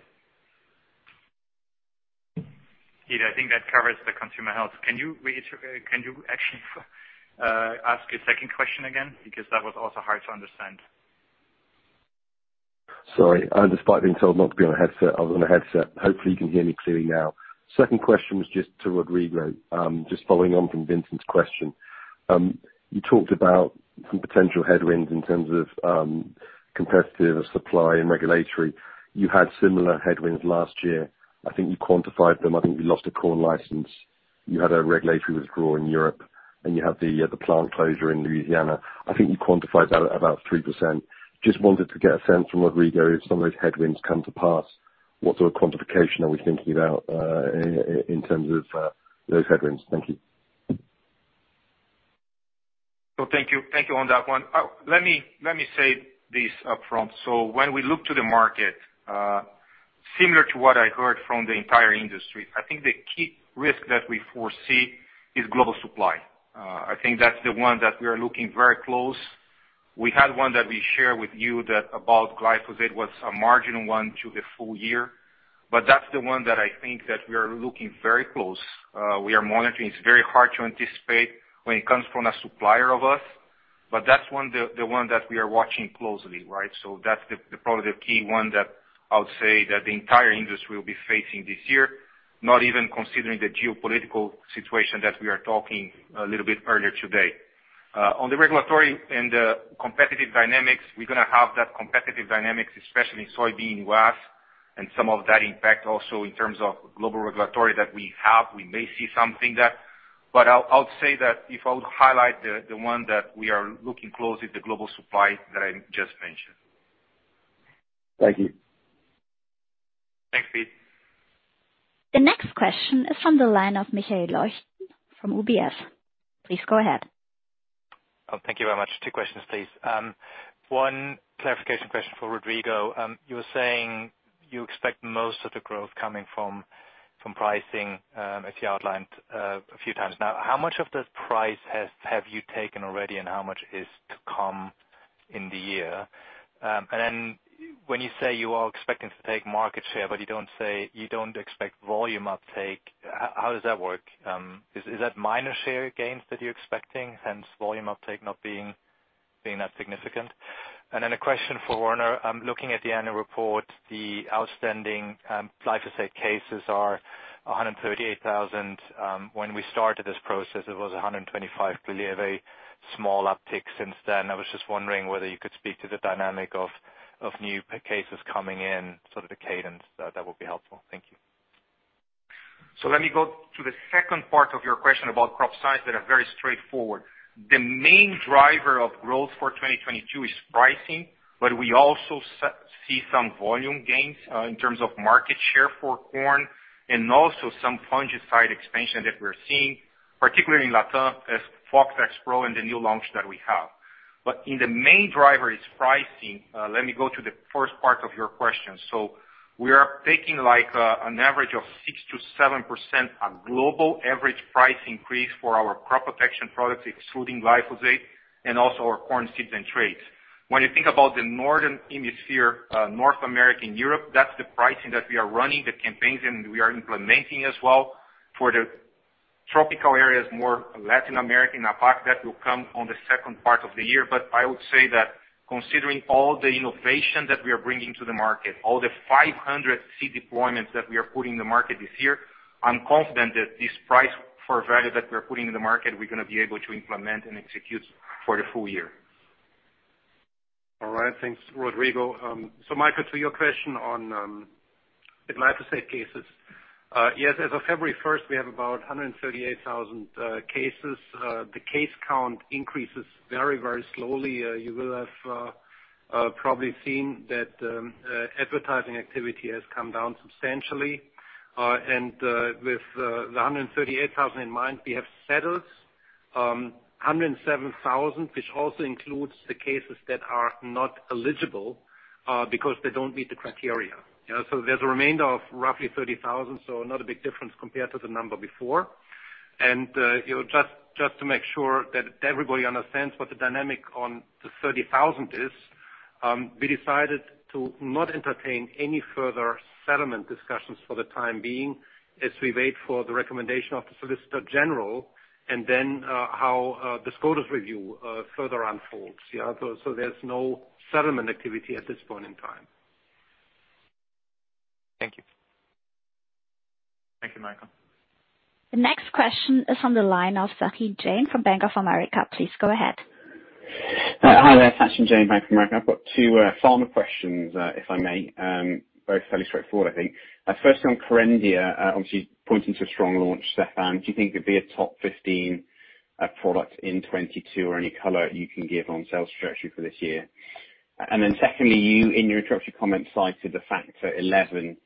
Peter, I think that covers the Consumer Health. Can you actually ask your second question again? Because that was also hard to understand. Sorry. Despite being told not to be on a headset, I was on a headset. Hopefully, you can hear me clearly now. Second question was just to Rodrigo, just following on from Vincent's question. You talked about some potential headwinds in terms of, competitive supply and regulatory. You had similar headwinds last year. I think you quantified them. I think you lost a core license. You had a regulatory withdrawal in Europe, and you had the plant closure in Louisiana. I think you quantified that at about 3%. Just wanted to get a sense from Rodrigo, if some of those headwinds come to pass, what sort of quantification are we thinking about, in terms of, those headwinds? Thank you. Thank you. Thank you on that one. Let me say this upfront. When we look to the market, similar to what I heard from the entire industry, I think the key risk that we foresee is global supply. I think that's the one that we are looking very closely. We had one that we shared with you that about glyphosate was a marginal one to the full year, but that's the one that I think that we are looking very closely. We are monitoring. It's very hard to anticipate when it comes from a supplier to us, but that's one, the one that we are watching closely, right? That's probably the key one that I would say that the entire industry will be facing this year, not even considering the geopolitical situation that we are talking a little bit earlier today. On the regulatory and the competitive dynamics, we're gonna have competitive dynamics, especially in soybean rust and some of that impact also in terms of global regulatory that we have, we may see something that. I'll say that if I would highlight the one that we are looking closely, the global supply that I just mentioned. Thank you. Thanks, Peter. The next question is from the line of Michael Leuchten from UBS. Please go ahead. Oh, thank you very much. Two questions, please. One clarification question for Rodrigo. You were saying you expect most of the growth coming from pricing, as you outlined a few times now. How much of the price have you taken already and how much is to come in the year? Then when you say you are expecting to take market share, but you don't say you don't expect volume uptake, how does that work? Is that minor share gains that you're expecting, hence volume uptake not being that significant? Then a question for Werner. Looking at the annual report, the outstanding glyphosate cases are 138,000. When we started this process, it was 125. Clearly a very small uptick since then. I was just wondering whether you could speak to the dynamic of new cases coming in, sort of the cadence. That would be helpful. Thank you. Let me go to the second part of your question about Crop Science that are very straightforward. The main driver of growth for 2022 is pricing, but we also see some volume gains, in terms of market share for corn and also some fungicide expansion that we're seeing, particularly in LatAm, as Fox Xpro and the new launch that we have. The main driver is pricing. Let me go to the first part of your question. We are taking, like, an average of 6%-7% on global average price increase for our crop protection products, excluding glyphosate and also our corn seeds and traits. When you think about the northern hemisphere, North America and Europe, that's the pricing that we are running the campaigns and we are implementing as well. For the tropical areas, more Latin American, APAC, that will come on the second part of the year. I would say that considering all the innovation that we are bringing to the market, all the 500 seed deployments that we are putting in the market this year, I'm confident that this price for value that we're putting in the market, we're gonna be able to implement and execute for the full year. All right. Thanks, Rodrigo. Michael, to your question on the glyphosate cases. Yes, as of February first, we have about 138,000 cases. The case count increases very, very slowly. You will have probably seen that advertising activity has come down substantially. With the 138,000 in mind, we have settled 107,000, which also includes the cases that are not eligible because they don't meet the criteria. You know? There's a remainder of roughly 30,000, so not a big difference compared to the number before. Just to make sure that everybody understands what the dynamic on the 30,000 is, we decided to not entertain any further settlement discussions for the time being as we wait for the recommendation of the Solicitor General and then how the SCOTUS review further unfolds. Yeah, so there's no settlement activity at this point in time. Thank you. Thank you, Michael. The next question is from the line of Sachin Jain from Bank of America. Please go ahead. Hi there, Sachin Jain, Bank of America. I've got two farmer questions, if I may. Both fairly straightforward, I think. First on Kerendia, obviously pointing to a strong launch, Stefan. Do you think it'd be a top 15 product in 2022 or any color you can give on sales trajectory for this year? Then secondly, you in your introductory comments cited the Factor XI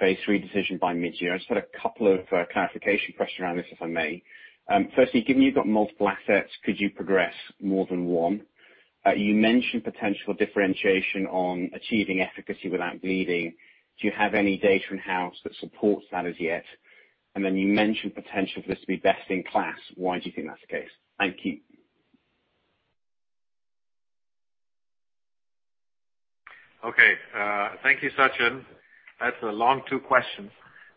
phase III decision by mid-year. I just had a couple of clarification questions around this, if I may. Firstly, given you've got multiple assets, could you progress more than one? You mentioned potential differentiation on achieving efficacy without bleeding. Do you have any data in house that supports that as yet? Then you mentioned potential for this to be best in class. Why do you think that's the case? Thank you. Okay. Thank you, Sachin. That's two long questions.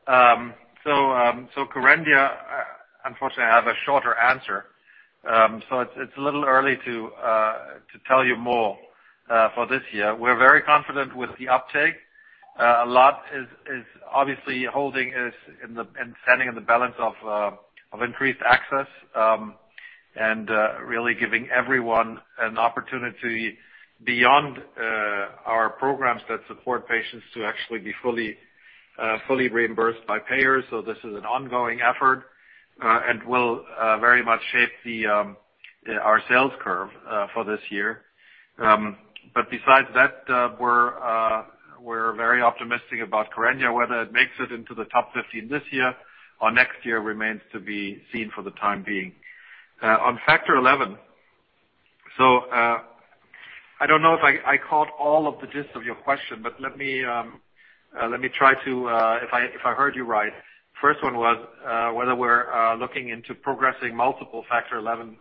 Kerendia, unfortunately I have a shorter answer. It's a little early to tell you more for this year. We're very confident with the uptake. A lot is obviously holding us in the balance of increased access, and really giving everyone an opportunity beyond our programs that support patients to actually be fully reimbursed by payers. This is an ongoing effort, and will very much shape our sales curve for this year. But besides that, we're very optimistic about Kerendia. Whether it makes it into the top 15 this year or next year remains to be seen for the time being. On Factor XI. I don't know if I caught all of the gist of your question, but let me try to if I heard you right. First one was whether we're looking into progressing multiple Factor XI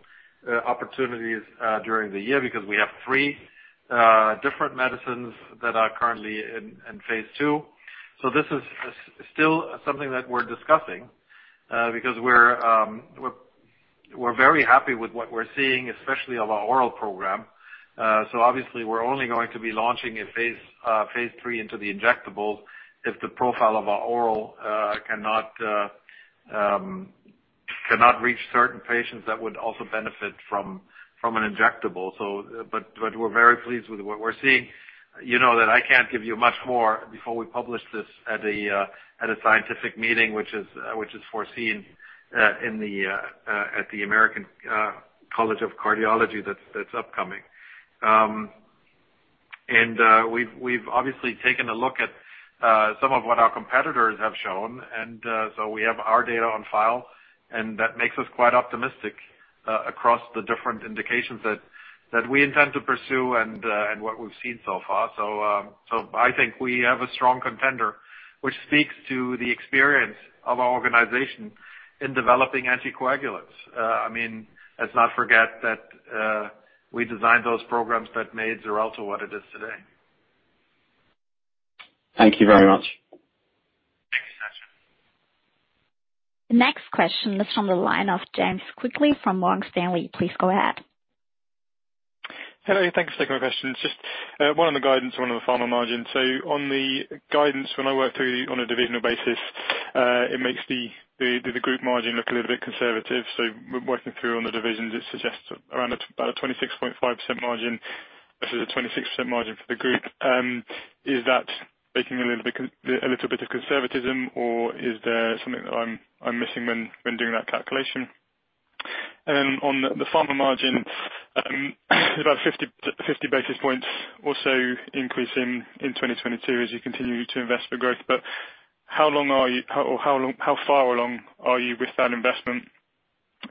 opportunities during the year because we have three different medicines that are currently in phase II. This is still something that we're discussing, because we're very happy with what we're seeing, especially of our oral program. Obviously we're only going to be launching a phase III into the injectables if the profile of our oral cannot reach certain patients that would also benefit from an injectable. We're very pleased with what we're seeing. You know that I can't give you much more before we publish this at a scientific meeting, which is foreseen at the American College of Cardiology that's upcoming. We've obviously taken a look at some of what our competitors have shown and so we have our data on file, and that makes us quite optimistic across the different indications that we intend to pursue and what we've seen so far. I think we have a strong contender, which speaks to the experience of our organization in developing anticoagulants. I mean, let's not forget that we designed those programs that made Xarelto what it is today. Thank you very much. Thanks, Sachin. Next question is from the line of James Quigley from Morgan Stanley. Please go ahead. Hello. Thanks for taking my questions. Just one on the guidance, one on the pharma margin. On the guidance, when I work through on a divisional basis, it makes the group margin look a little bit conservative. Working through on the divisions, it suggests about a 26.5% margin versus a 26% margin for the group. Is that baking a little bit of conservatism or is there something that I'm missing when doing that calculation? Then on the pharma margin, about 50 to 50 basis points also increasing in 2022 as you continue to invest for growth. How far along are you with that investment?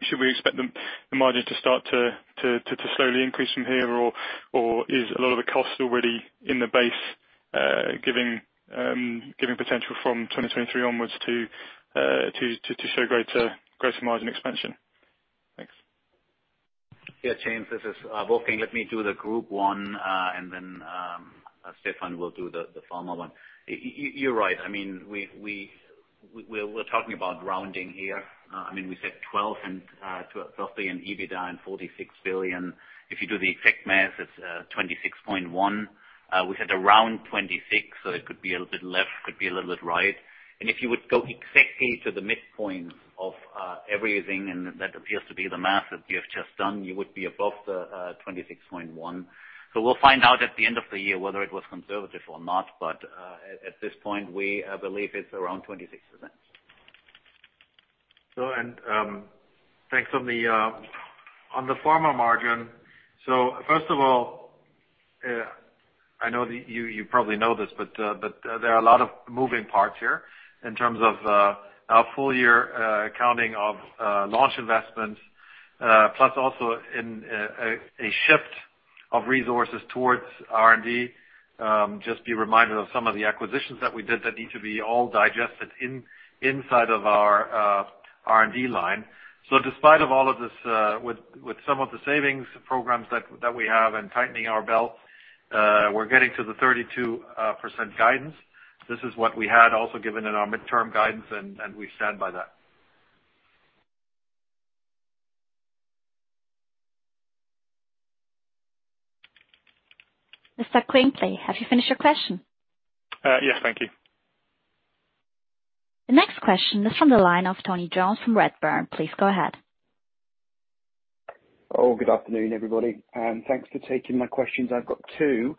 Should we expect the margin to start to slowly increase from here or is a lot of the cost already in the base, giving potential from 2023 onwards to show greater gross margin expansion? Thanks. Yeah, James, this is Wolfgang. Let me do the group one, and then Stefan will do the pharma one. You're right. We're talking about rounding here, we said 12% and 12 billion EBITDA and 46 billion. If you do the exact math, it's 26.1%. We said around 26%, so it could be a little bit left, could be a little bit right. If you would go exactly to the midpoint of everything, and that appears to be the math that you have just done, you would be above the 26.1%. We'll find out at the end of the year whether it was conservative or not. At this point, we believe it's around 26%. Thanks. On the pharma margin, first of all, I know that you probably know this, but there are a lot of moving parts here in terms of our full-year accounting of launch investments, plus also a shift of resources towards R&D. Just a reminder of some of the acquisitions that we did that need to be all digested inside of our R&D line. Despite all of this, with some of the savings programs that we have and tightening our belt, we're getting to the 32% guidance. This is what we had also given in our mid-term guidance, and we stand by that. Mr. Quigley, have you finished your question? Yes. Thank you. The next question is from the line of Tony Jones from Redburn. Please go ahead. Good afternoon, everybody, and thanks for taking my questions. I've got two,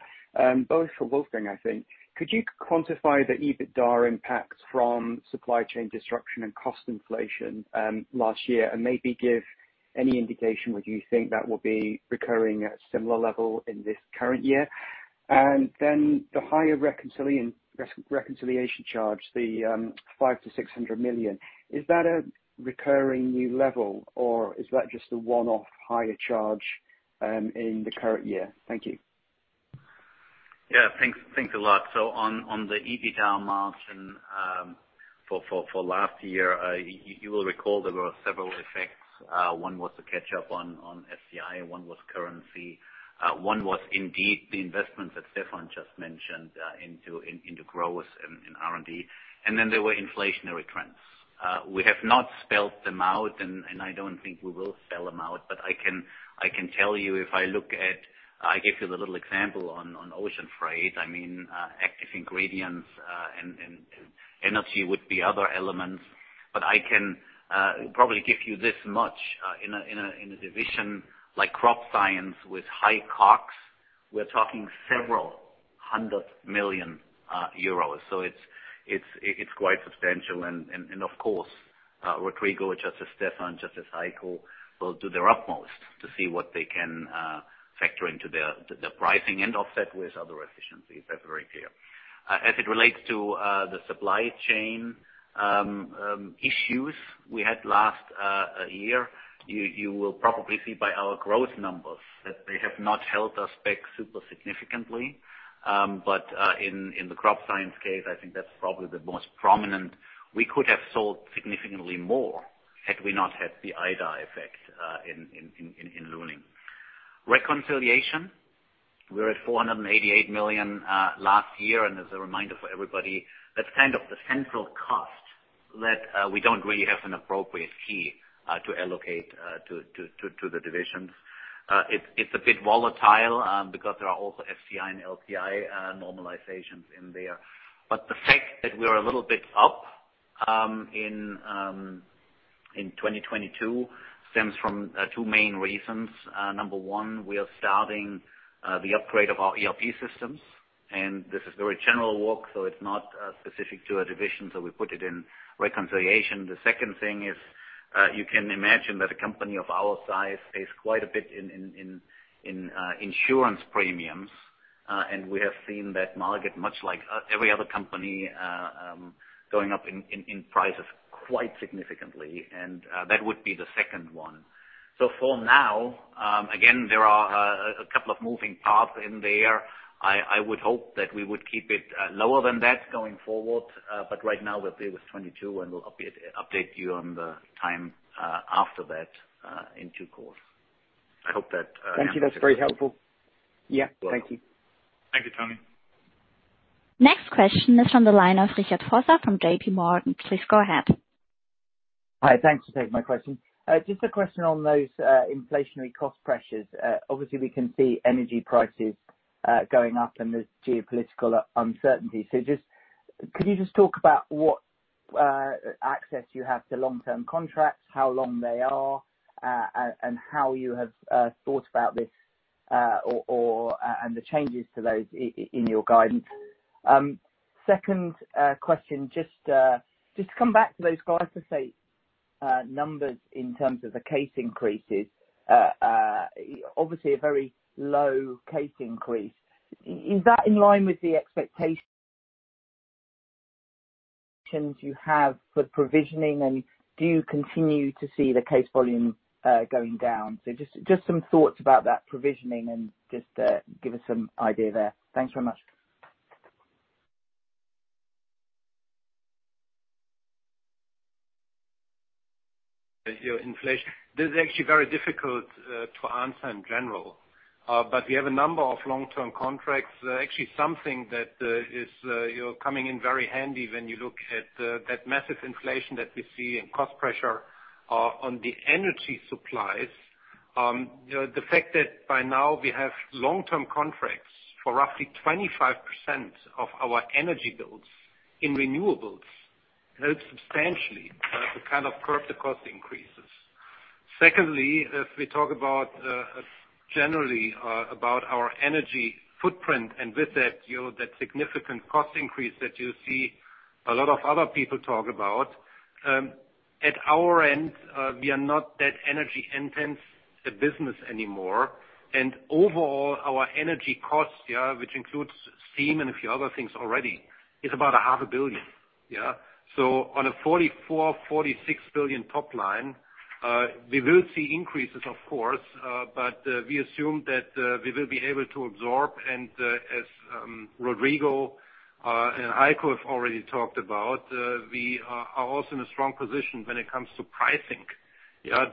both for Wolfgang, I think. Could you quantify the EBITDA impact from supply chain disruption and cost inflation last year? Maybe give any indication whether you think that will be recurring at a similar level in this current year. Then the higher Reconciliation charge, the 500 million-600 million, is that a recurring new level, or is that just a one-off higher charge in the current year? Thank you. Thanks a lot. On the EBITDA margin for last year, you will recall there were several effects. One was the catch up on STI, one was currency, one was indeed the investments that Stefan just mentioned into growth in R&D. Then there were inflationary trends. We have not spelled them out and I don't think we will spell them out, but I can tell you. I gave you the little example on ocean freight, I mean, active ingredients and energy would be other elements. I can probably give you this much. In a Vividion-like Crop Science with high COGS, we're talking several hundred million EUR. It's quite substantial. Of course, Rodrigo, just as Stefan, just as Heiko, will do their utmost to see what they can factor into their pricing and offset with other efficiencies. That's very clear as it relates to the supply chain issues we had last year, you will probably see by our growth numbers that they have not held us back super significantly. In the Crop Science case, I think that's probably the most prominent. We could have sold significantly more had we not had the Ida effect in Luling. Reconciliation, we're at 488 million last year, and as a reminder for everybody, that's kind of the central cost that we don't really have an appropriate key to allocate to the divisions. It's a bit volatile because there are also STI and LTI normalizations in there. The fact that we're a little bit up in 2022 stems from two main reasons. Number one, we are starting the upgrade of our ERP systems. This is very general work, so it's not specific to a Vividion, so we put it in reconciliation. The second thing is, you can imagine that a company of our size pays quite a bit in insurance premiums, and we have seen that market much like every other company, going up in prices quite significantly. That would be the second one. For now, again, there are a couple of moving parts in there. I would hope that we would keep it lower than that going forward. Right now we're there with 22, and we'll update you on the timing after that in due course. I hope that's helpful. Thank you. That's very helpful. Yeah. Thank you. Thank you, Tony Jones. Next question is on the line of Richard Vosser from JPMorgan. Please go ahead. Hi. Thanks for taking my question. Just a question on those inflationary cost pressures. Obviously we can see energy prices going up and there's geopolitical uncertainty. So could you just talk about what access you have to long-term contracts, how long they are, and how you have thought about this, or and the changes to those in your guidance. Second, question, just to come back to those glyphosate numbers in terms of the case increases. Obviously a very low case increase is that in line with the expectations you have for provisioning and do you continue to see the case volume going down? So some thoughts about that provisioning and give us some idea there. Thanks very much. Your inflation. This is actually very difficult to answer in general. We have a number of long-term contracts. Actually, something that is coming in very handy when you look at that massive inflation that we see and cost pressure on the energy supplies. The fact that by now we have long-term contracts for roughly 25% of our energy bills in renewables helps substantially to kind of curb the cost increases. Secondly, if we talk generally about our energy footprint, and with it that significant cost increase that you see a lot of other people talk about, at our end, we are not that energy intense a business anymore. Overall, our energy costs, which includes steam and a few other things already, is about EUR half a billion. On a 44 billion-46 billion top line, we will see increases, of course, but we assume that we will be able to absorb. As Rodrigo and Heiko have already talked about, we are also in a strong position when it comes to pricing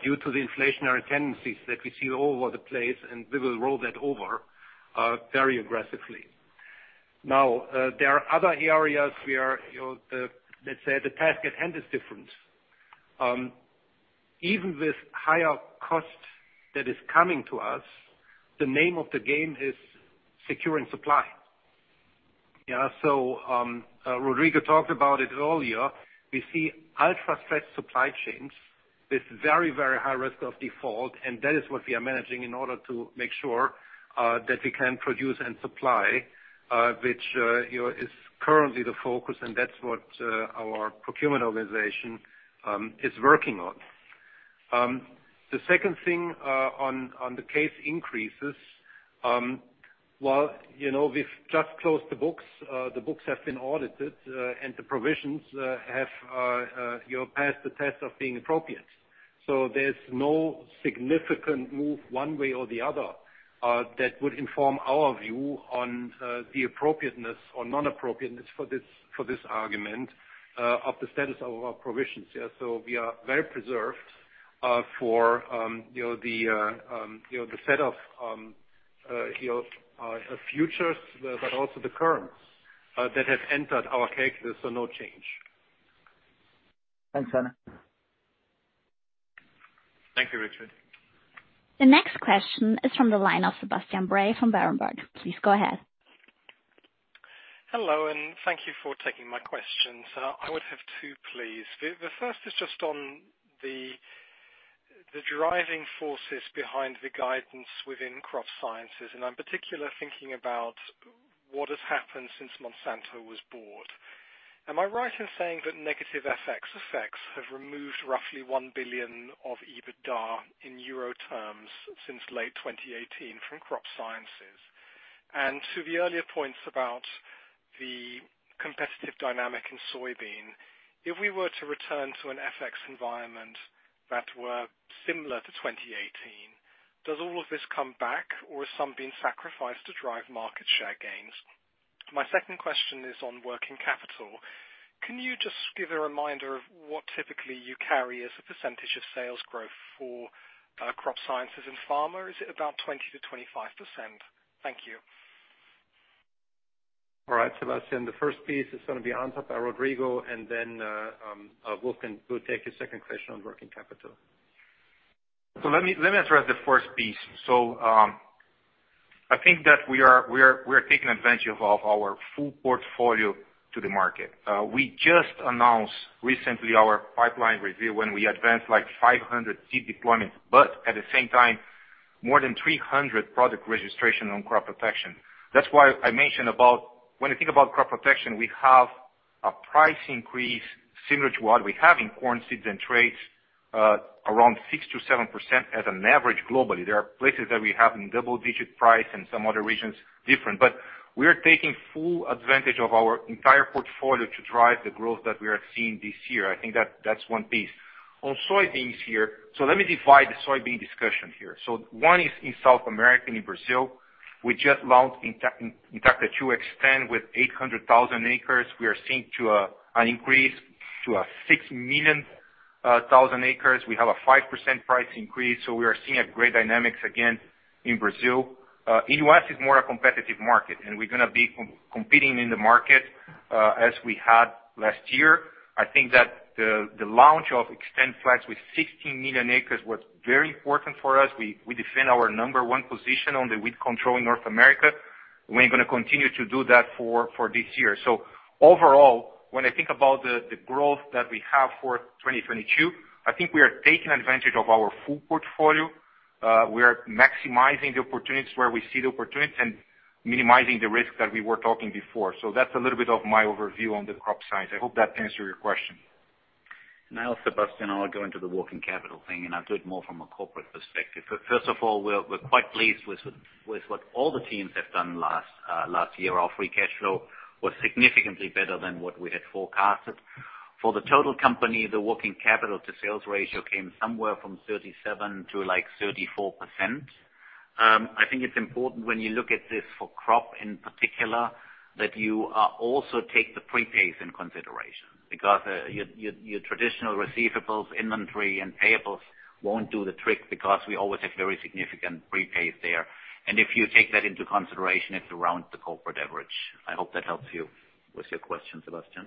due to the inflationary tendencies that we see all over the place, and we will roll that over very aggressively. Now, there are other areas we are, you know, let's say the task at hand is different. Even with higher costs that is coming to us, the name of the game is securing supply. Rodrigo talked about it earlier. We see ultra-stretched supply chains with very, very high risk of default, and that is what we are managing in order to make sure that we can produce and supply, which is currently the focus and that's what our procurement organization is working on. The second thing on the claims increases, while we've just closed the books, the books have been audited, and the provisions have you know passed the test of being appropriate. There's no significant move one way or the other that would inform our view on the appropriateness or non-appropriateness for this argument of the status of our provisions. Yeah. We are very prepared for the set of factors but also the currencies that have entered our calculus, so no change. Thanks, Werner. Thank you, Richard. The next question is from the line of Sebastian Bray from Berenberg. Please go ahead. Hello, and thank you for taking my question. I would have two, please. The first is just on the driving forces behind the guidance within Crop Science, and in particular thinking about what has happened since Monsanto was bought. Am I right in saying that negative FX effects have removed roughly 1 billion of EBITDA in euro terms since late 2018 from Crop Science? To the earlier points about the competitive dynamic in soybean, if we were to return to an FX environment that were similar to 2018, does all of this come back or has some been sacrificed to drive market share gains? My second question is on working capital. Can you just give a reminder of what typically you carry as a percentage of sales growth for crop science and pharma? Is it about 20%-25%? Thank you. All right, Sebastian, the first piece is gonna be answered by Rodrigo, and then Wolfgang will take your second question on working capital. Let me address the first piece. I think that we are taking advantage of our full portfolio to the market. We just announced recently our pipeline review when we advanced like 500 seed deployments, but at the same time, more than 300 product registration on crop protection. That's why I mentioned about when you think about crop protection, we have a price increase similar to what we have in corn seeds and traits, around 6%-7% as an average globally. There are places that we have in double-digit price, and some other regions, different. We are taking full advantage of our entire portfolio to drive the growth that we are seeing this year. I think that's one piece. On soybeans here. Let me divide the soybean discussion here. One is in South America and in Brazil. We just launched Intacta 2 Xtend with 800,000 acres. We are seeing an increase to 6 million acres. We have a 5% price increase, so we are seeing great dynamics again in Brazil. U.S. is more a competitive market, and we're gonna be competing in the market as we had last year. I think that the launch of XtendFlex with 16 million acres was very important for us. We defend our number one position on the weed control in North America, and we're gonna continue to do that for this year. Overall, when I think about the growth that we have for 2022, I think we are taking advantage of our full portfolio. We are maximizing the opportunities where we see the opportunities and minimizing the risks that we were talking before. That's a little bit of my overview on the Crop Science. I hope that answered your question. I also invest, and I'll go into the working capital thing, and I'll do it more from a corporate perspective. First of all, we're quite pleased with what all the teams have done last year. Our free cash flow was significantly better than what we had forecasted. For the total company, the working capital to sales ratio came somewhere from 37% to, like, 34%. I think it's important when you look at this for crop in particular, that you also take the prepays in consideration because your traditional receivables, inventory, and payables won't do the trick because we always have very significant prepays there. If you take that into consideration, it's around the corporate average. I hope that helps you with your question, Sebastian.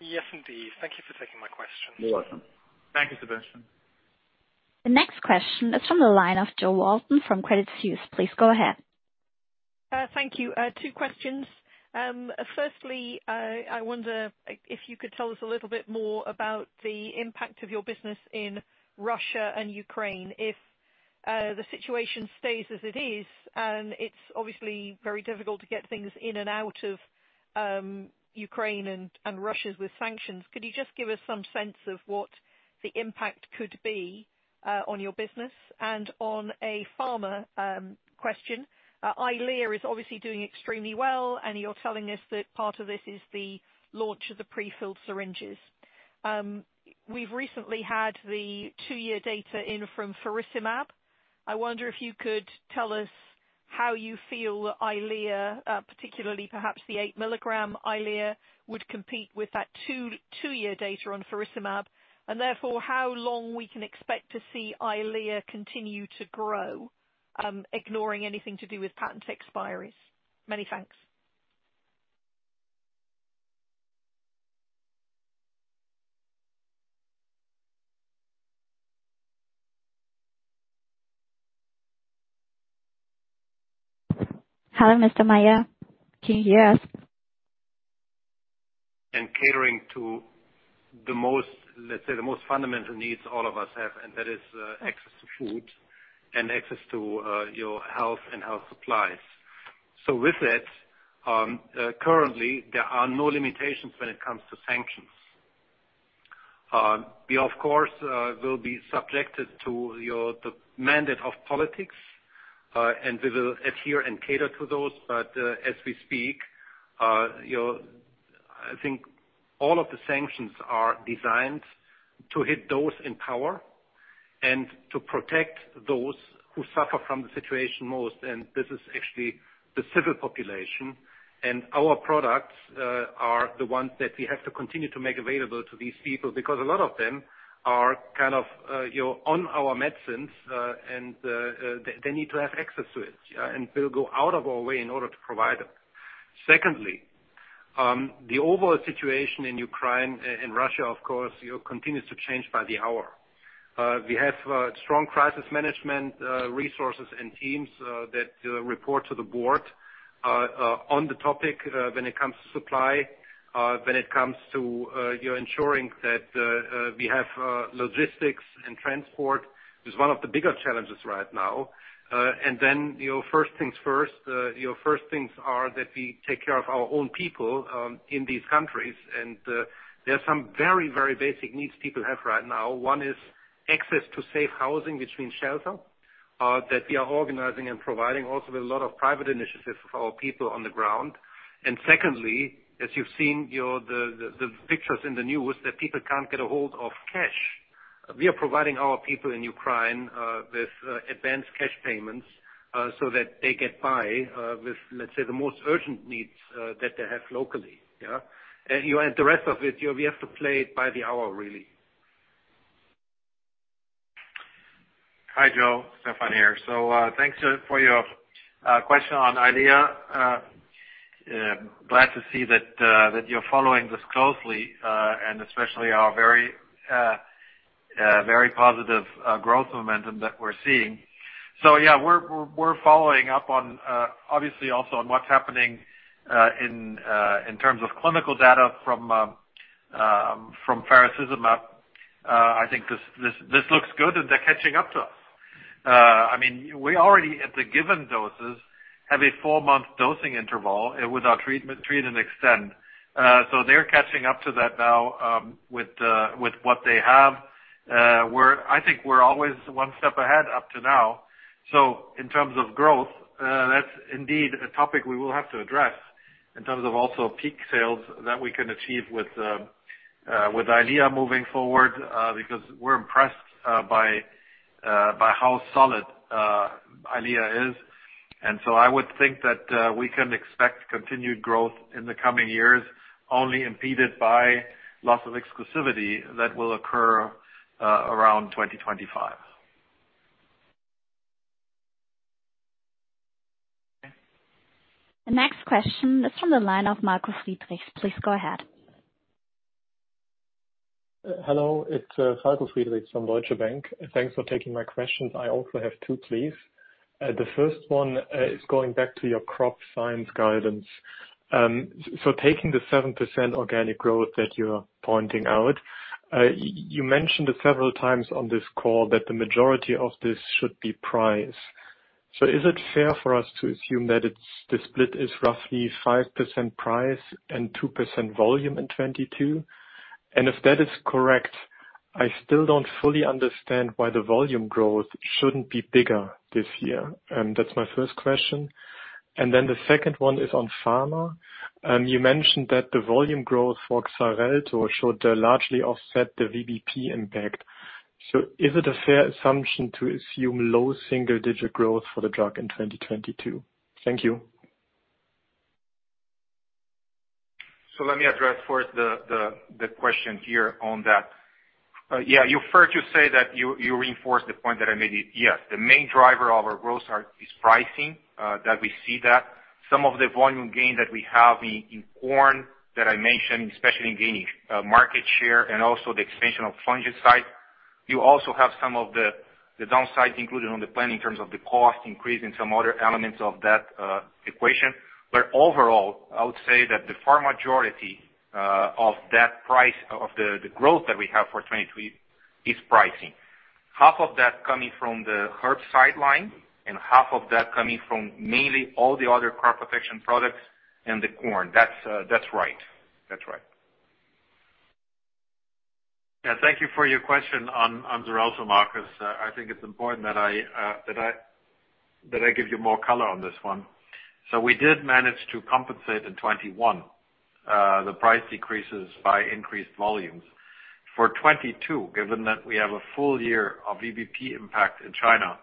Yes, indeed. Thank you for taking my question. You're welcome. Thank you, Sebastian. The next question is from the line of Jo Walton from Credit Suisse. Please go ahead. Thank you. Two questions. Firstly, I wonder if you could tell us a little bit more about the impact of your business in Russia and Ukraine. If the situation stays as it is, and it's obviously very difficult to get things in and out of Ukraine and Russia with sanctions, could you just give us some sense of what the impact could be on your business? On a pharma question, Eylea is obviously doing extremely well, and you're telling us that part of this is the launch of the prefilled syringes. We've recently had the two-year data in from faricimab. I wonder if you could tell us how you feel Eylea, particularly perhaps the 8-milligram Eylea, would compete with that two-year data on faricimab, and therefore, how long we can expect to see Eylea continue to grow, ignoring anything to do with patent expiries. Many thanks. Hello, Mr. Maier. Can you hear us? Catering to the most, let's say, the most fundamental needs all of us have, and that is access to food and access to your health and health supplies. With that, currently, there are no limitations when it comes to sanctions. We of course will be subjected to the mandate of politics, and we will adhere and cater to those. As we speak, you know, I think all of the sanctions are designed to hit those in power and to protect those who suffer from the situation most, and this is actually the civil population. Our products are the ones that we have to continue to make available to these people because a lot of them are kind of, you know, on our medicines, and they need to have access to it, yeah. We'll go out of our way in order to provide them. Secondly, the overall situation in Ukraine, in Russia, of course continues to change by the hour. We have strong crisis management resources and teams that report to the board on the topic when it comes to supply, when it comes to, you know, ensuring that we have logistics and transport is one of the bigger challenges right now. Then, first things first, first things are that we take care of our own people in these countries. There are some very, very basic needs people have right now. One is access to safe housing between shelter that we are organizing and providing also with a lot of private initiatives for our people on the ground. Secondly, as you've seen the pictures in the news that people can't get a hold of cash. We are providing our people in Ukraine with advanced cash payments so that they get by with, let's say, the most urgent needs that they have locally. Yeah. The rest of it, you know, we have to play it by the hour, really. Hi, Joe. Stefan here. Thanks for your question on Eylea. Glad to see that you're following this closely and especially our very positive growth momentum that we're seeing. Yeah, we're following up on obviously also on what's happening in terms of clinical data from faricimab. I think this looks good, and they're catching up to us. I mean, we already at the given doses have a four-month dosing interval with our treatment, treat and extend. They're catching up to that now with what they have. I think we're always one step ahead up to now. In terms of growth, that's indeed a topic we will have to address in terms of also peak sales that we can achieve with Eylea moving forward, because we're impressed by how solid Eylea is. I would think that we can expect continued growth in the coming years, only impeded by loss of exclusivity that will occur around 2025. The next question is from the line of Falko Friedrichs. Please go ahead. Hello. It's Falko Friedrichs from Deutsche Bank. Thanks for taking my questions. I also have two, please. The first one is going back to your Crop Science guidance. So taking the 7% organic growth that you're pointing out, you mentioned it several times on this call that the majority of this should be price. Is it fair for us to assume that it's the split is roughly 5% price and 2% volume in 2022? And if that is correct, I still don't fully understand why the volume growth shouldn't be bigger this year. That's my first question. And then the second one is on pharma. You mentioned that the volume growth for Xarelto should largely offset the VBP impact. So is it a fair assumption to assume low single-digit growth for the drug in 2022? Thank you. Let me address first the question here on that. Yeah, it's fair to say that reinforces the point that I made. Yes. The main driver of our growth is pricing that we see. Some of the volume gain that we have in corn that I mentioned, especially in gaining market share and also the expansion of fungicide. You also have some of the downsides included in the plan in terms of the cost increase and some other elements of that equation. Overall, I would say that by far the majority of the growth that we have for 2023 is pricing. Half of that coming from the herbicide line and half of that coming from mainly all the other crop protection products and the corn. That's right. That's right. Yeah. Thank you for your question on Xarelto, Falko. I think it's important that I give you more color on this one. We did manage to compensate in 2021 the price decreases by increased volumes. For 2022, given that we have a full year of VBP impact in China,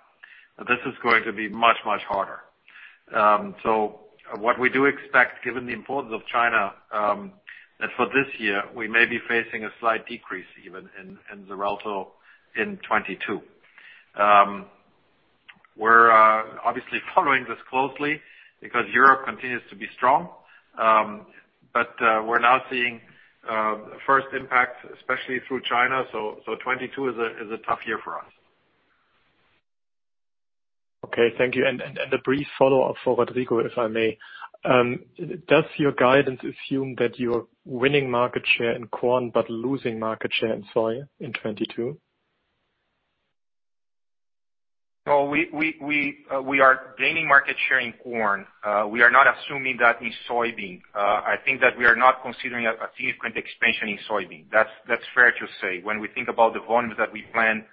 this is going to be much harder. What we do expect, given the importance of China, that for this year we may be facing a slight decrease even in Xarelto in 2022. We're obviously following this closely because Europe continues to be strong. We're now seeing first impact, especially through China. 2022 is a tough year for us. Okay. Thank you. A brief follow-up for Rodrigo, if I may. Does your guidance assume that you're winning market share in corn but losing market share in soy in 2022? We are gaining market share in corn. We are not assuming that in soybean. I think that we are not considering a significant expansion in soybean. That's fair to say. When we think about the volumes that we plan,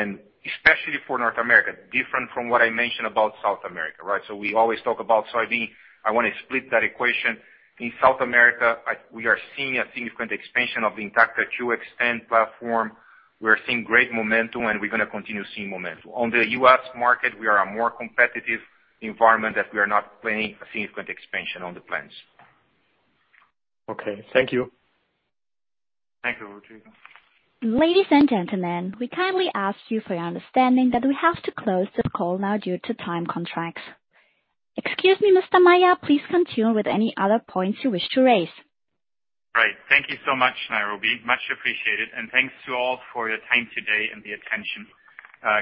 especially for North America, different from what I mentioned about South America, right? We always talk about soybean. I wanna split that equation. In South America, we are seeing a significant expansion of the Intacta 2 Xtend platform. We are seeing great momentum, and we're gonna continue seeing momentum. On the U.S. market, we are in a more competitive environment where we are not planning a significant expansion in the plans. Okay. Thank you. Thank you, Rodrigo. Ladies and gentlemen, we kindly ask you for your understanding that we have to close the call now due to time constraints. Excuse me, Mr. Maier. Please continue with any other points you wish to raise. Great. Thank you so much, Nairobi. Much appreciated. Thanks to all for your time today and the attention.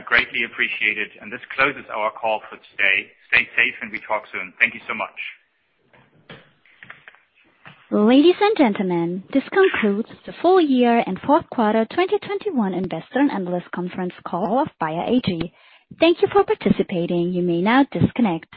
Greatly appreciated. This closes our call for today. Stay safe, and we talk soon. Thank you so much. Ladies and gentlemen, this concludes the full year and fourth quarter 2021 investor and analyst conference call of Bayer AG. Thank you for participating. You may now disconnect.